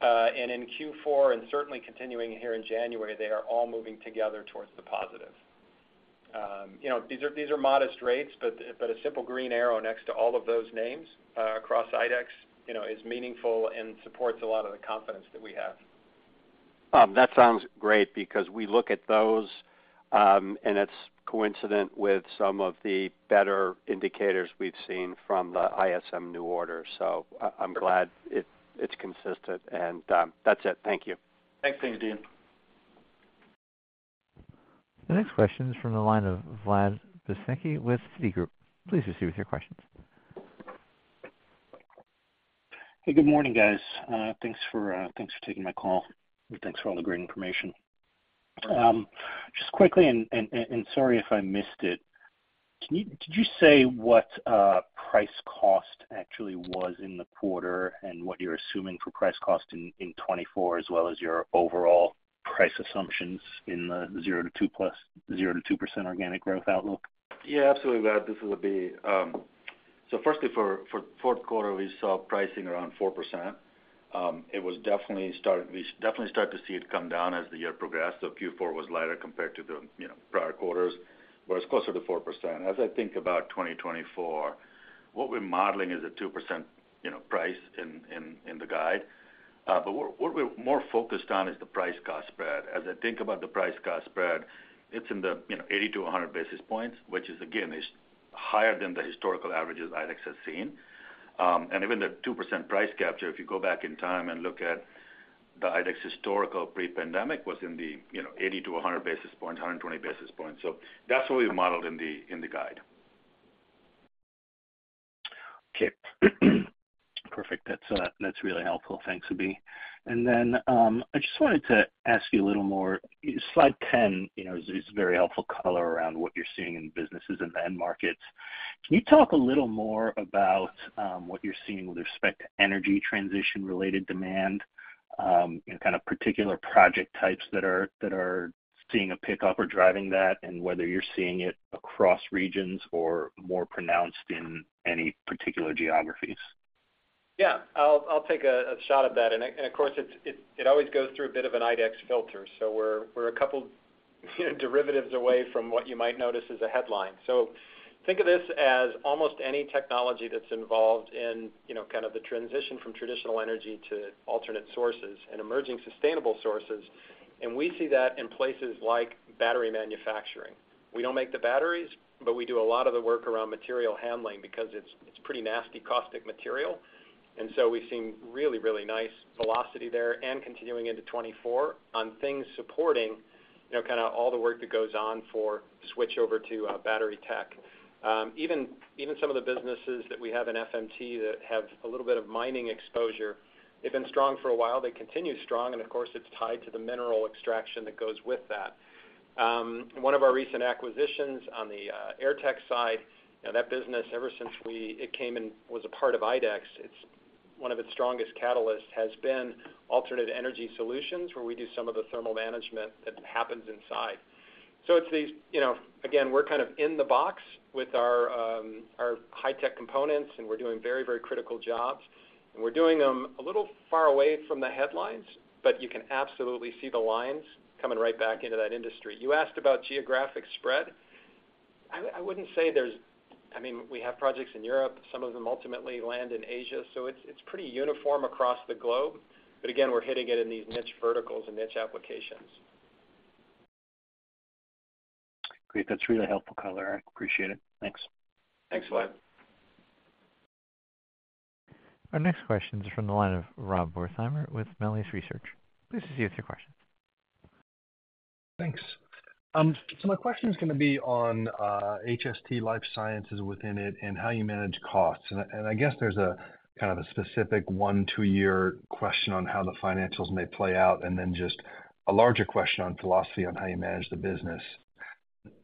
And in Q4, and certainly continuing here in January, they are all moving together towards the positive. You know, these are modest rates, but a simple green arrow next to all of those names across IDEX, you know, is meaningful and supports a lot of the confidence that we have. That sounds great because we look at those, and it's coincident with some of the better indicators we've seen from the ISM New Orders. So I, I'm glad it's consistent, and that's it. Thank you. Thanks. Thanks, Deane. The next question is from the line of Vlad Bystricky with Citigroup. Please proceed with your questions. Hey, good morning, guys. Thanks for taking my call, and thanks for all the great information. Just quickly, sorry if I missed it: Did you say what price-cost actually was in the quarter and what you're assuming for price-cost in 2024, as well as your overall price assumptions in the 0%-2% organic growth outlook? Yeah, absolutely, Vlad. This is Abhi. So firstly, for fourth quarter, we saw pricing around 4%. It was definitely we definitely start to see it come down as the year progressed, so Q4 was lighter compared to the, you know, prior quarters, but it's closer to 4%. As I think about 2024, what we're modeling is a 2%, you know, price in the guide. But what we're more focused on is the price-cost spread. As I think about the price-cost spread, it's in the, you know, 80-100 basis points, which is, again, higher than the historical averages IDEX has seen. And even the 2% price capture, if you go back in time and look at the IDEX historical pre-pandemic, was in the, you know, 80-100 basis points, 120 basis points. So that's what we've modeled in the guide. Okay. Perfect. That's really helpful. Thanks, Abhi. And then I just wanted to ask you a little more. Slide 10, you know, is very helpful color around what you're seeing in businesses and end markets. Can you talk a little more about what you're seeing with respect to energy transition-related demand, and kind of particular project types that are seeing a pickup or driving that, and whether you're seeing it across regions or more pronounced in any particular geographies? Yeah. I'll take a shot at that. And of course, it always goes through a bit of an IDEX filter, so we're a couple, you know, derivatives away from what you might notice as a headline. So think of this as almost any technology that's involved in, you know, kind of the transition from traditional energy to alternate sources and emerging sustainable sources, and we see that in places like battery manufacturing. We don't make the batteries, but we do a lot of the work around material handling because it's pretty nasty, caustic material. And so we've seen really, really nice velocity there and continuing into 2024 on things supporting, you know, kind of all the work that goes on for switchover to battery tech. Even, even some of the businesses that we have in FMT that have a little bit of mining exposure, they've been strong for a while. They continue strong, and of course, it's tied to the mineral extraction that goes with that. One of our recent acquisitions on the Airtech side, you know, that business, ever since it came in, was a part of IDEX, it's one of its strongest catalysts has been alternative energy solutions, where we do some of the thermal management that happens inside. So it's these. You know, again, we're kind of in the box with our our high-tech components, and we're doing very, very critical jobs, and we're doing them a little far away from the headlines, but you can absolutely see the lines coming right back into that industry. You asked about geographic spread. I wouldn't say there's, I mean, we have projects in Europe. Some of them ultimately land in Asia, so it's pretty uniform across the globe. But again, we're hitting it in these niche verticals and niche applications. Great. That's really helpful color. I appreciate it. Thanks. Thanks, Vlad. Our next question is from the line of Rob Wertheimer with Melius Research. Please proceed with your question. Thanks. So my question is gonna be on HST Life Sciences within it and how you manage costs. And I guess there's a kind of a specific one, two-year question on how the financials may play out, and then just a larger question on philosophy on how you manage the business.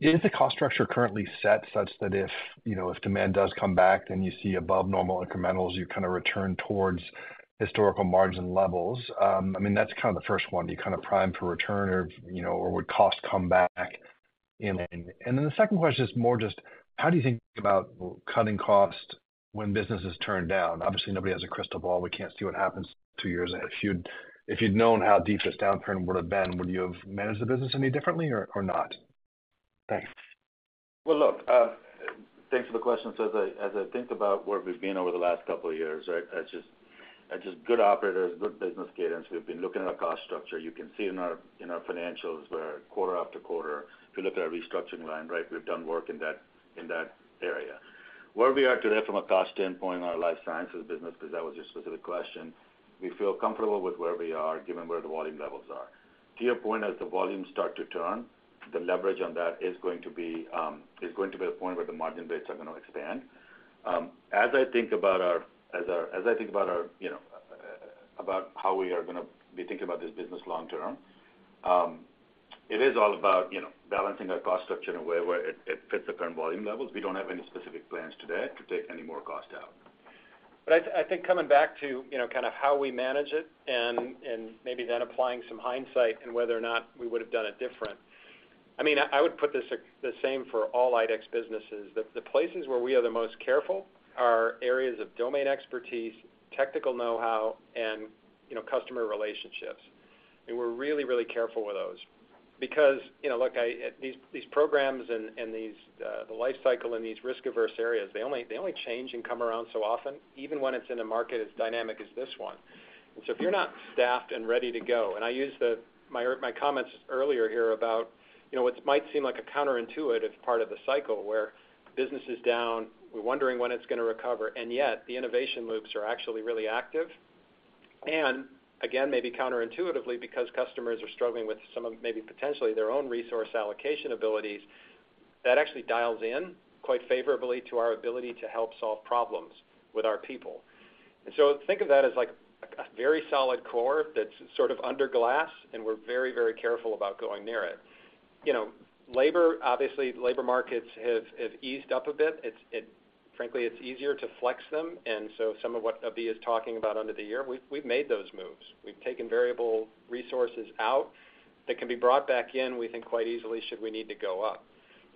Is the cost structure currently set such that if, you know, if demand does come back, then you see above normal incrementals, you kind of return towards historical margin levels? I mean, that's kind of the first one. Do you kind of prime for return or, you know, or would cost come back in? And then the second question is more just, how do you think about cutting costs when business is turned down? Obviously, nobody has a crystal ball. We can't see what happens two years ahead. If you'd known how deep this downturn would have been, would you have managed the business any differently or not? Thanks. Well, look, thanks for the question. So as I, as I think about where we've been over the last couple of years, right? As just, as just good operators, good business cadence. We've been looking at our cost structure. You can see in our, in our financials where quarter after quarter, if you look at our restructuring line, right, we've done work in that, in that area. Where we are today from a cost standpoint in our life sciences business, because that was your specific question, we feel comfortable with where we are, given where the volume levels are. To your point, as the volumes start to turn, the leverage on that is going to be, is going to be a point where the margin rates are gonna expand. As I think about our, you know, about how we are gonna be thinking about this business long term, it is all about, you know, balancing our cost structure in a way where it, it fits the current volume levels. We don't have any specific plans today to take any more cost out. But I think coming back to, you know, kind of how we manage it and maybe then applying some hindsight in whether or not we would have done it different. I mean, I would put this the same for all IDEX businesses. The places where we are the most careful are areas of domain expertise, technical know-how, and, you know, customer relationships. And we're really, really careful with those because, you know, look, these programs and these, the life cycle in these risk-averse areas, they only change and come around so often, even when it's in a market as dynamic as this one. And so if you're not staffed and ready to go, and I use the My, my comments earlier here about, you know, what might seem like a counterintuitive part of the cycle, where business is down, we're wondering when it's gonna recover, and yet the innovation loops are actually really active. And again, maybe counterintuitively, because customers are struggling with some of maybe potentially their own resource allocation abilities, that actually dials in quite favorably to our ability to help solve problems with our people. And so think of that as like a, a very solid core that's sort of under glass, and we're very, very careful about going near it. You know, labor, obviously, labor markets have, have eased up a bit. It's, it frankly, it's easier to flex them, and so some of what Abhi is talking about under the year, we've, we've made those moves. We've taken variable resources out that can be brought back in, we think, quite easily, should we need to go up.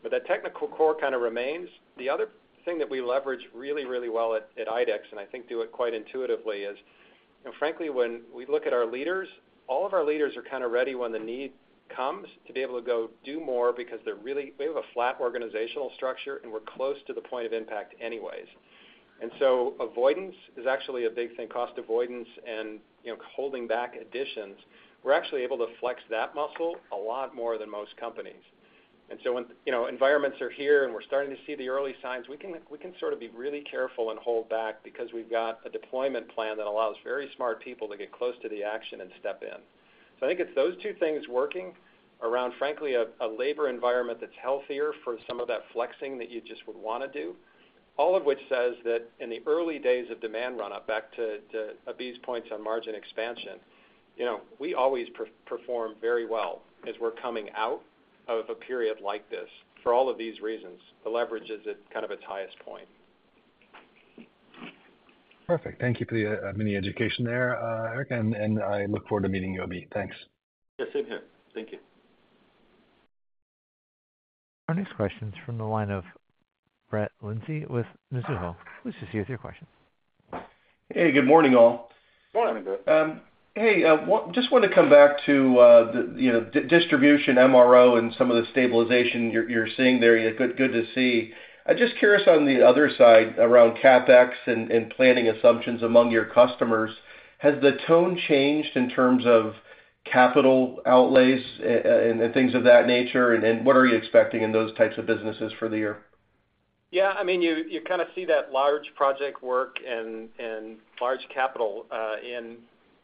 But that technical core kind of remains. The other thing that we leverage really, really well at, at IDEX, and I think do it quite intuitively, is, you know, frankly, when we look at our leaders, all of our leaders are kind of ready when the need comes to be able to go do more because they're really, we have a flat organizational structure, and we're close to the point of impact anyways. And so avoidance is actually a big thing, cost avoidance and, you know, holding back additions. We're actually able to flex that muscle a lot more than most companies. And so when, you know, environments are here, and we're starting to see the early signs, we can sort of be really careful and hold back because we've got a deployment plan that allows very smart people to get close to the action and step in. So I think it's those two things working around, frankly, a labor environment that's healthier for some of that flexing that you just would want to do, all of which says that in the early days of demand run up, back to Abhi's points on margin expansion, you know, we always perform very well as we're coming out of a period like this. For all of these reasons, the leverage is at kind of its highest point. Perfect. Thank you for the mini education there, Eric, and and I look forward to meeting you, Abhi. Thanks. Yes, same here. Thank you. Our next question is from the line of Brett Linzey with Mizuho. Please proceed with your question. Hey, good morning, all. Good morning, Brett. Hey, just want to come back to, you know, distribution, MRO, and some of the stabilization you're seeing there. Yeah, good, good to see. I'm just curious on the other side around CapEx and planning assumptions among your customers, has the tone changed in terms of capital outlays and things of that nature? And what are you expecting in those types of businesses for the year? Yeah, I mean, you, you kind of see that large project work and, and large capital in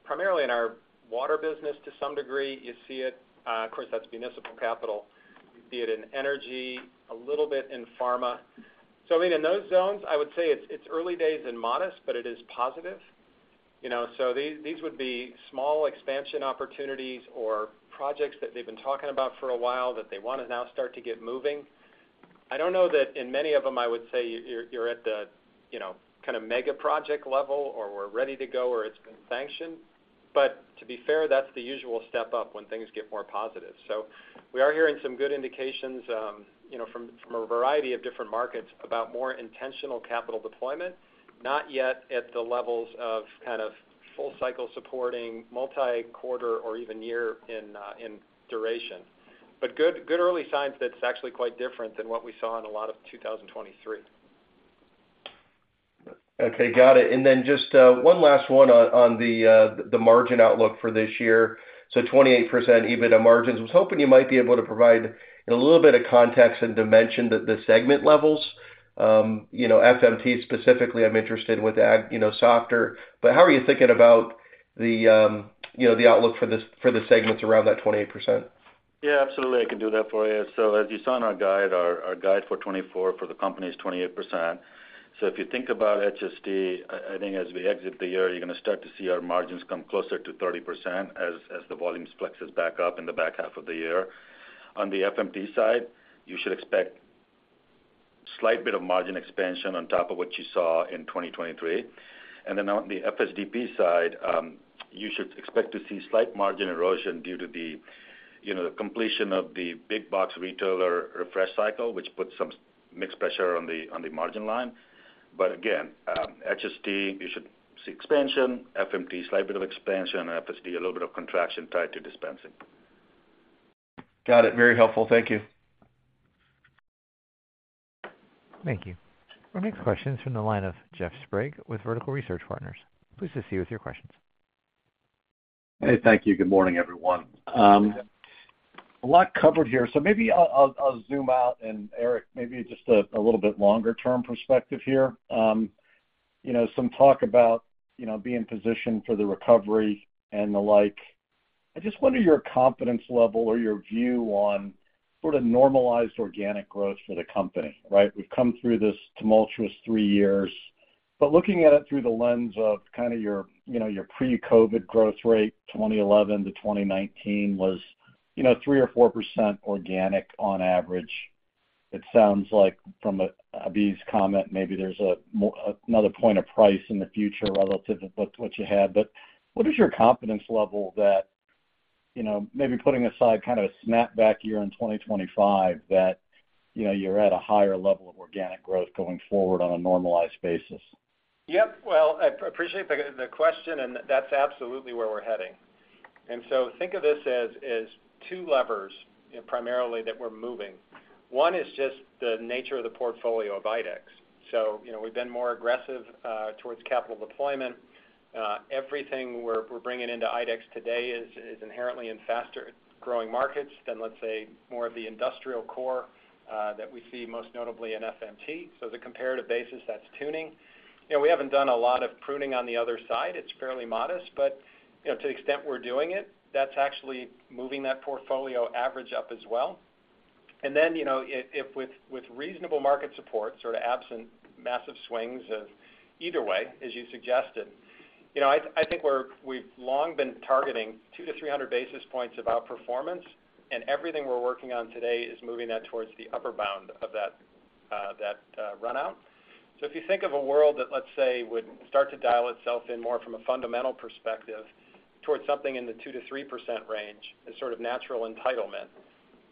primarily in our water business to some degree. You see it, of course, that's municipal capital. You see it in energy, a little bit in pharma. So, I mean, in those zones, I would say it's, it's early days and modest, but it is positive. You know, so these, these would be small expansion opportunities or projects that they've been talking about for a while that they want to now start to get moving. I don't know that in many of them, I would say you're, you're at the, you know, kind of mega project level or we're ready to go, or it's been sanctioned. But to be fair, that's the usual step up when things get more positive. So we are hearing some good indications, you know, from a variety of different markets about more intentional capital deployment, not yet at the levels of kind of full cycle supporting multi-quarter or even year in duration. But good, good early signs that it's actually quite different than what we saw in a lot of 2023. Okay, got it. And then just one last one on the margin outlook for this year. So 28% EBITDA margins. I was hoping you might be able to provide a little bit of context and dimension at the segment levels. You know, FMT specifically, I'm interested with the Ag, you know, softer. But how are you thinking about the outlook for the segments around that 28%? Yeah, absolutely, I can do that for you. So as you saw in our guide, our guide for 2024 for the company is 28%. So if you think about HST, I think as we exit the year, you're gonna start to see our margins come closer to 30% as the volume flexes back up in the back half of the year. On the FMT side, you should expect slight bit of margin expansion on top of what you saw in 2023. And then on the FSDP side, you should expect to see slight margin erosion due to the, you know, the completion of the big box retailer refresh cycle, which puts some mixed pressure on the, on the margin line. But again, HST, you should see expansion, FMT, slight bit of expansion, and FSDP, a little bit of contraction tied to dispensing. Got it. Very helpful. Thank you. Thank you. Our next question is from the line of Jeff Sprague with Vertical Research Partners. Please proceed with your questions. Hey, thank you. Good morning, everyone. A lot covered here, so maybe I'll zoom out, and Eric, maybe just a little bit longer term perspective here. You know, some talk about, you know, being positioned for the recovery and the like. I just wonder your confidence level or your view on sort of normalized organic growth for the company, right? We've come through this tumultuous three years, but looking at it through the lens of kind of your, you know, your pre-COVID growth rate, 2011 to 2019, was, you know, 3% or 4% organic on average. It sounds like from Abhi's comment, maybe there's another point of price in the future relative to what you had. But what is your confidence level that, you know, maybe putting aside kind of a snapback year in 2025, that, you know, you're at a higher level of organic growth going forward on a normalized basis? Yep. Well, I appreciate the question, and that's absolutely where we're heading. So think of this as two levers primarily that we're moving. One is just the nature of the portfolio of IDEX. So, you know, we've been more aggressive towards capital deployment. Everything we're bringing into IDEX today is inherently in faster growing markets than, let's say, more of the industrial core that we see most notably in FMT. So the comparative basis, that's tuning. You know, we haven't done a lot of pruning on the other side. It's fairly modest, but, you know, to the extent we're doing it, that's actually moving that portfolio average up as well. And then, you know, if with reasonable market support, sort of absent massive swings of either way, as you suggested, you know, I think we're. We've long been targeting 200-300 basis points of outperformance, and everything we're working on today is moving that towards the upper bound of that run out. So if you think of a world that, let's say, would start to dial itself in more from a fundamental perspective towards something in the 2%-3% range as sort of natural entitlement,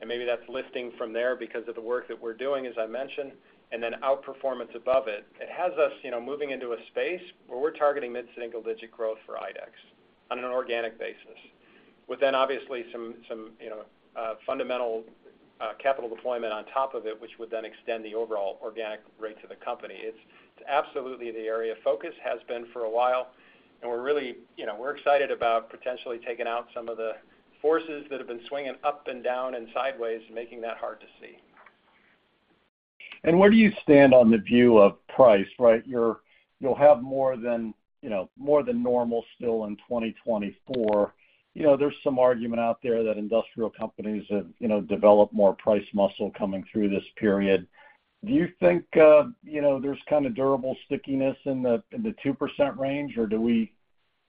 and maybe that's lifting from there because of the work that we're doing, as I mentioned, and then outperformance above it, it has us, you know, moving into a space where we're targeting mid-single-digit growth for IDEX on an organic basis, with then obviously some, you know, fundamental capital deployment on top of it, which would then extend the overall organic rate to the company. It's absolutely the area of focus, has been for a while, and we're really, you know, we're excited about potentially taking out some of the forces that have been swinging up and down and sideways, making that hard to see. And where do you stand on the view of price, right? You'll have more than, you know, more than normal still in 2024. You know, there's some argument out there that industrial companies have, you know, developed more price muscle coming through this period. Do you think, you know, there's kind of durable stickiness in the 2% range, or do we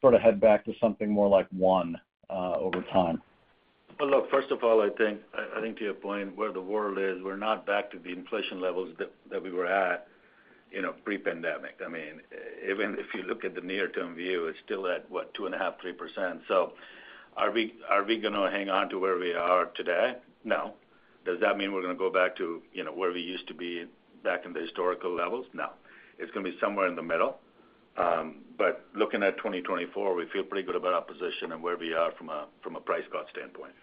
sort of head back to something more like 1 over time? Well, look, first of all, I think to your point, where the world is, we're not back to the inflation levels that we were at, you know, pre-pandemic. I mean, even if you look at the near-term view, it's still at, what, 2.5%-3%. So are we gonna hang on to where we are today? No. Does that mean we're gonna go back to, you know, where we used to be back in the historical levels? No. It's gonna be somewhere in the middle. But looking at 2024, we feel pretty good about our position and where we are from a price-cost standpoint.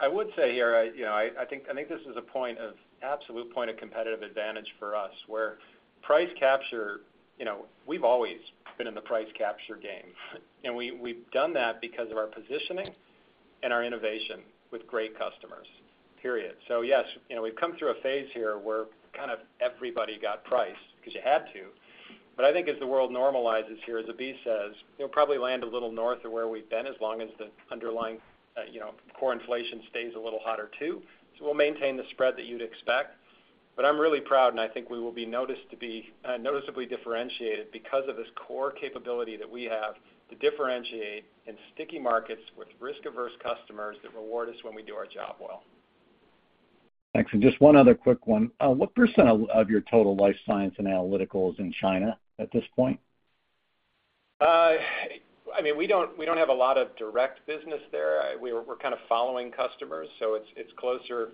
I would say here, you know, I think this is a point of absolute competitive advantage for us, where price capture, you know, we've always been in the price capture game, and we've done that because of our positioning and our innovation with great customers, period. So yes, you know, we've come through a phase here where kind of everybody got price because you had to, but I think as the world normalizes here, as Abhi says, we'll probably land a little north of where we've been, as long as the underlying, you know, core inflation stays a little hotter too. So we'll maintain the spread that you'd expect. But I'm really proud, and I think we will be noticed to be noticeably differentiated because of this core capability that we have to differentiate in sticky markets with risk-averse customers that reward us when we do our job well. Thanks. And just one other quick one. What percent of your total life science and analytical is in China at this point? I mean, we don't, we don't have a lot of direct business there. We're, we're kind of following customers, so it's, it's closer.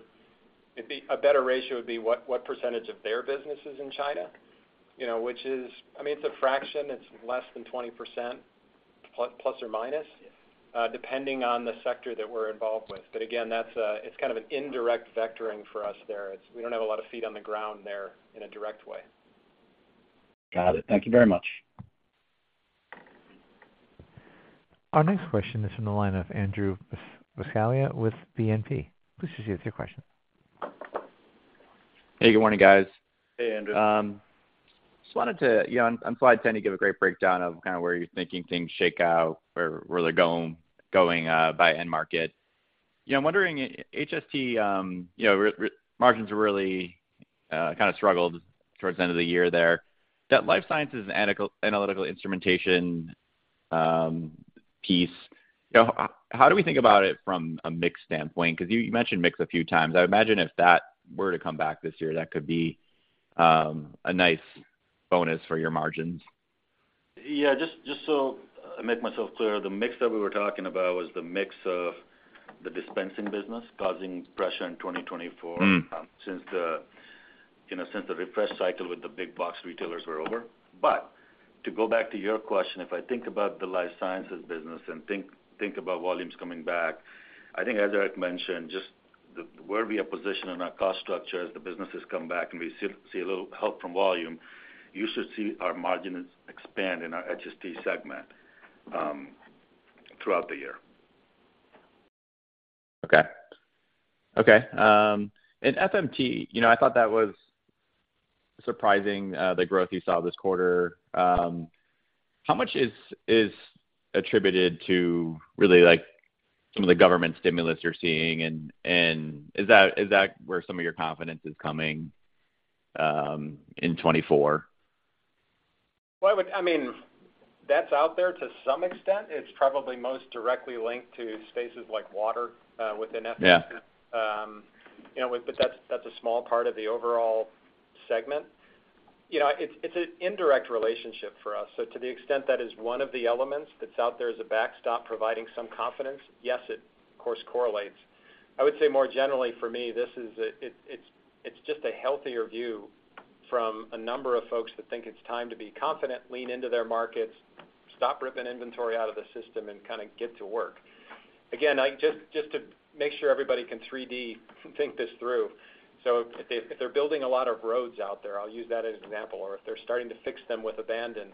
It'd be a better ratio would be what, what percentage of their business is in China? You know, which is, I mean, it's a fraction. It's less than 20%±, depending on the sector that we're involved with. But again, that's a, it's kind of an indirect vectoring for us there. It's, we don't have a lot of feet on the ground there in a direct way. Got it. Thank you very much. Our next question is from the line of Andrew Buscaglia with BNP. Please proceed with your question. Hey, good morning, guys. Hey, Andrew. Just wanted to, you know, on slide 10, you give a great breakdown of kind of where you're thinking things shake out or where they're going by end market. You know, I'm wondering, HST margins are really kind of struggled towards the end of the year there. That Life Sciences and Analytical Instrumentation piece, you know, how do we think about it from a mix standpoint? 'Cause you mentioned mix a few times. I would imagine if that were to come back this year, that could be a nice bonus for your margins. Yeah, just, just so I make myself clear, the mix that we were talking about was the mix of the dispensing business causing pressure in 2024 since the refresh cycle with the big box retailers were over. But to go back to your question, if I think about the life sciences business and think about volumes coming back, I think as Eric mentioned, just the where we are positioned in our cost structure as the business has come back and we see a little help from volume, you should see our margins expand in our HST segment throughout the year. Okay. Okay, and FMT, you know, I thought that was surprising, the growth you saw this quarter. How much is attributed to really, like, some of the government stimulus you're seeing? And is that where some of your confidence is coming in 2024? Well, I mean, that's out there to some extent. It's probably most directly linked to spaces like water within FMT. Yeah. You know, but that's a small part of the overall segment. You know, it's an indirect relationship for us. So to the extent that is one of the elements that's out there as a backstop providing some confidence, yes, it of course correlates. I would say more generally for me, this is a, it's just a healthier view from a number of folks that think it's time to be confident, lean into their markets, stop ripping inventory out of the system, and kind of get to work. Again, just to make sure everybody can 3D think this through, so if they're building a lot of roads out there, I'll use that as an example, or if they're starting to fix them with abandon,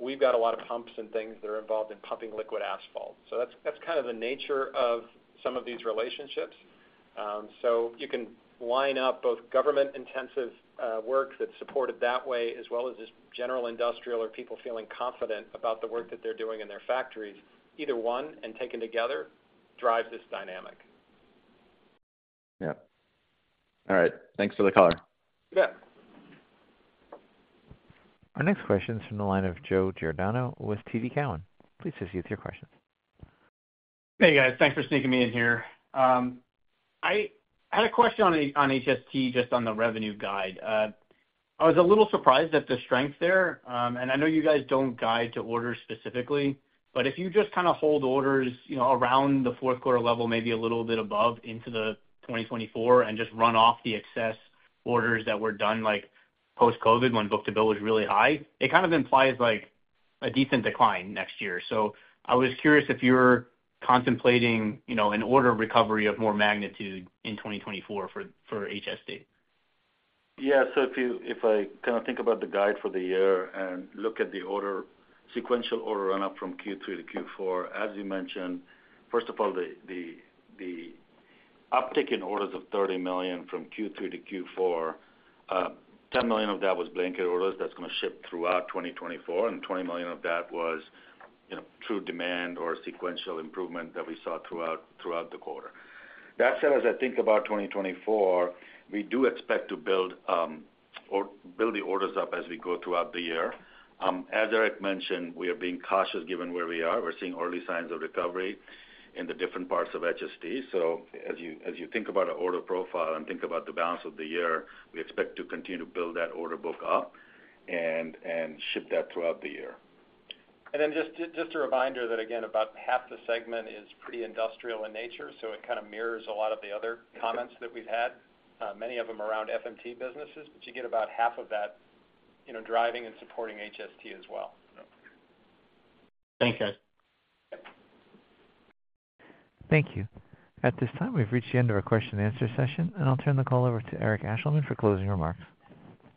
we've got a lot of pumps and things that are involved in pumping liquid asphalt. So that's kind of the nature of some of these relationships. So you can line up both government-intensive work that's supported that way, as well as just general industrial or people feeling confident about the work that they're doing in their factories. Either one, and taken together, drives this dynamic. Yeah. All right. Thanks for the color. You bet. Our next question is from the line of Joe Giordano with TD Cowen. Please proceed with your question. Hey, guys. Thanks for sneaking me in here. I had a question on, on HST, just on the revenue guide. I was a little surprised at the strength there. I know you guys don't guide to orders specifically, but if you just kind of hold orders, you know, around the fourth quarter level, maybe a little bit above into 2024, and just run off the excess orders that were done, like post-COVID, when book-to-bill was really high, it kind of implies like a decent decline next year. So I was curious if you're contemplating, you know, an order recovery of more magnitude in 2024 for, for HST. Yeah. So if I kind of think about the guide for the year and look at the orders sequential order run-up from Q3 to Q4, as you mentioned, first of all, the uptick in orders of $30 million from Q3 to Q4, $10 million of that was blanket orders that's going to ship throughout 2024, and $20 million of that was, you know, true demand or sequential improvement that we saw throughout the quarter. That said, as I think about 2024, we do expect to build or build the orders up as we go throughout the year. As Eric mentioned, we are being cautious given where we are. We're seeing early signs of recovery in the different parts of HST. So as you, as you think about our order profile and think about the balance of the year, we expect to continue to build that order book up and, and ship that throughout the year. And then just, just a reminder that, again, about half the segment is pretty industrial in nature, so it kind of mirrors a lot of the other comments that we've had, many of them around FMT businesses, but you get about half of that, you know, driving and supporting HST as well. Thanks, guys. Yep. Thank you. At this time, we've reached the end of our question and answer session, and I'll turn the call over to Eric Ashleman for closing remarks.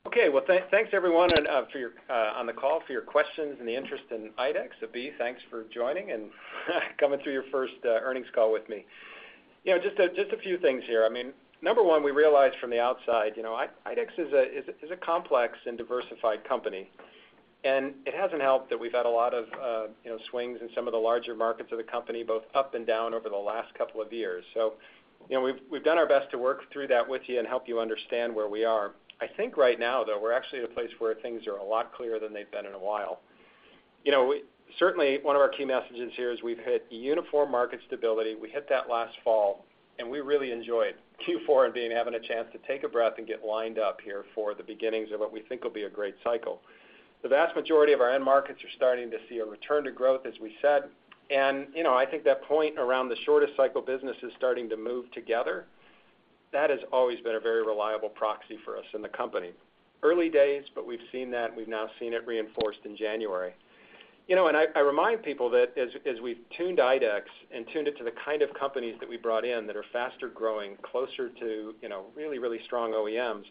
Okay, well, thanks, everyone, and for your on the call for your questions and the interest in IDEX. So, Abhi, thanks for joining and coming through your first earnings call with me. You know, just a few things here. I mean, number one, we realized from the outside, you know, IDEX is a complex and diversified company, and it hasn't helped that we've had a lot of swings in some of the larger markets of the company, both up and down, over the last couple of years. So, you know, we've done our best to work through that with you and help you understand where we are. I think right now, though, we're actually at a place where things are a lot clearer than they've been in a while. You know, we certainly, one of our key messages here is we've hit uniform market stability. We hit that last fall, and we really enjoyed Q4 and being, having a chance to take a breath and get lined up here for the beginnings of what we think will be a great cycle. The vast majority of our end markets are starting to see a return to growth, as we said. You know, I think that point around the shortest cycle business is starting to move together. That has always been a very reliable proxy for us in the company. Early days, but we've seen that, and we've now seen it reinforced in January. You know, I remind people that as we've tuned IDEX and tuned it to the kind of companies that we brought in that are faster growing, closer to, you know, really strong OEMs,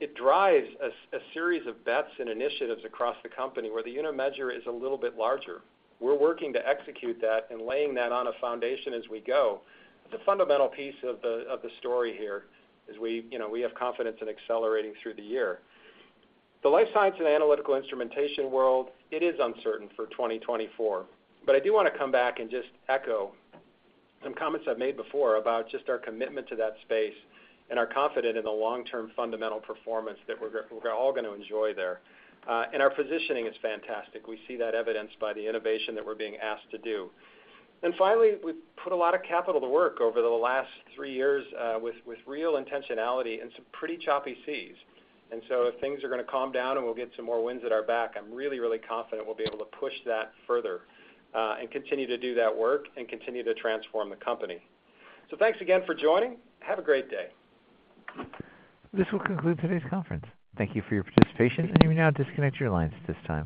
it drives a series of bets and initiatives across the company where the unit measure is a little bit larger. We're working to execute that and laying that on a foundation as we go. But the fundamental piece of the story here is, you know, we have confidence in accelerating through the year. The Life Science and Analytical Instrumentation world is uncertain for 2024. But I do want to come back and just echo some comments I've made before about just our commitment to that space and are confident in the long-term fundamental performance that we're all going to enjoy there. And our positioning is fantastic. We see that evidenced by the innovation that we're being asked to do. And finally, we've put a lot of capital to work over the last three years, with real intentionality and some pretty choppy seas. And so if things are going to calm down and we'll get some more winds at our back, I'm really, really confident we'll be able to push that further, and continue to do that work and continue to transform the company. So thanks again for joining. Have a great day. This will conclude today's conference. Thank you for your participation, and you may now disconnect your lines at this time.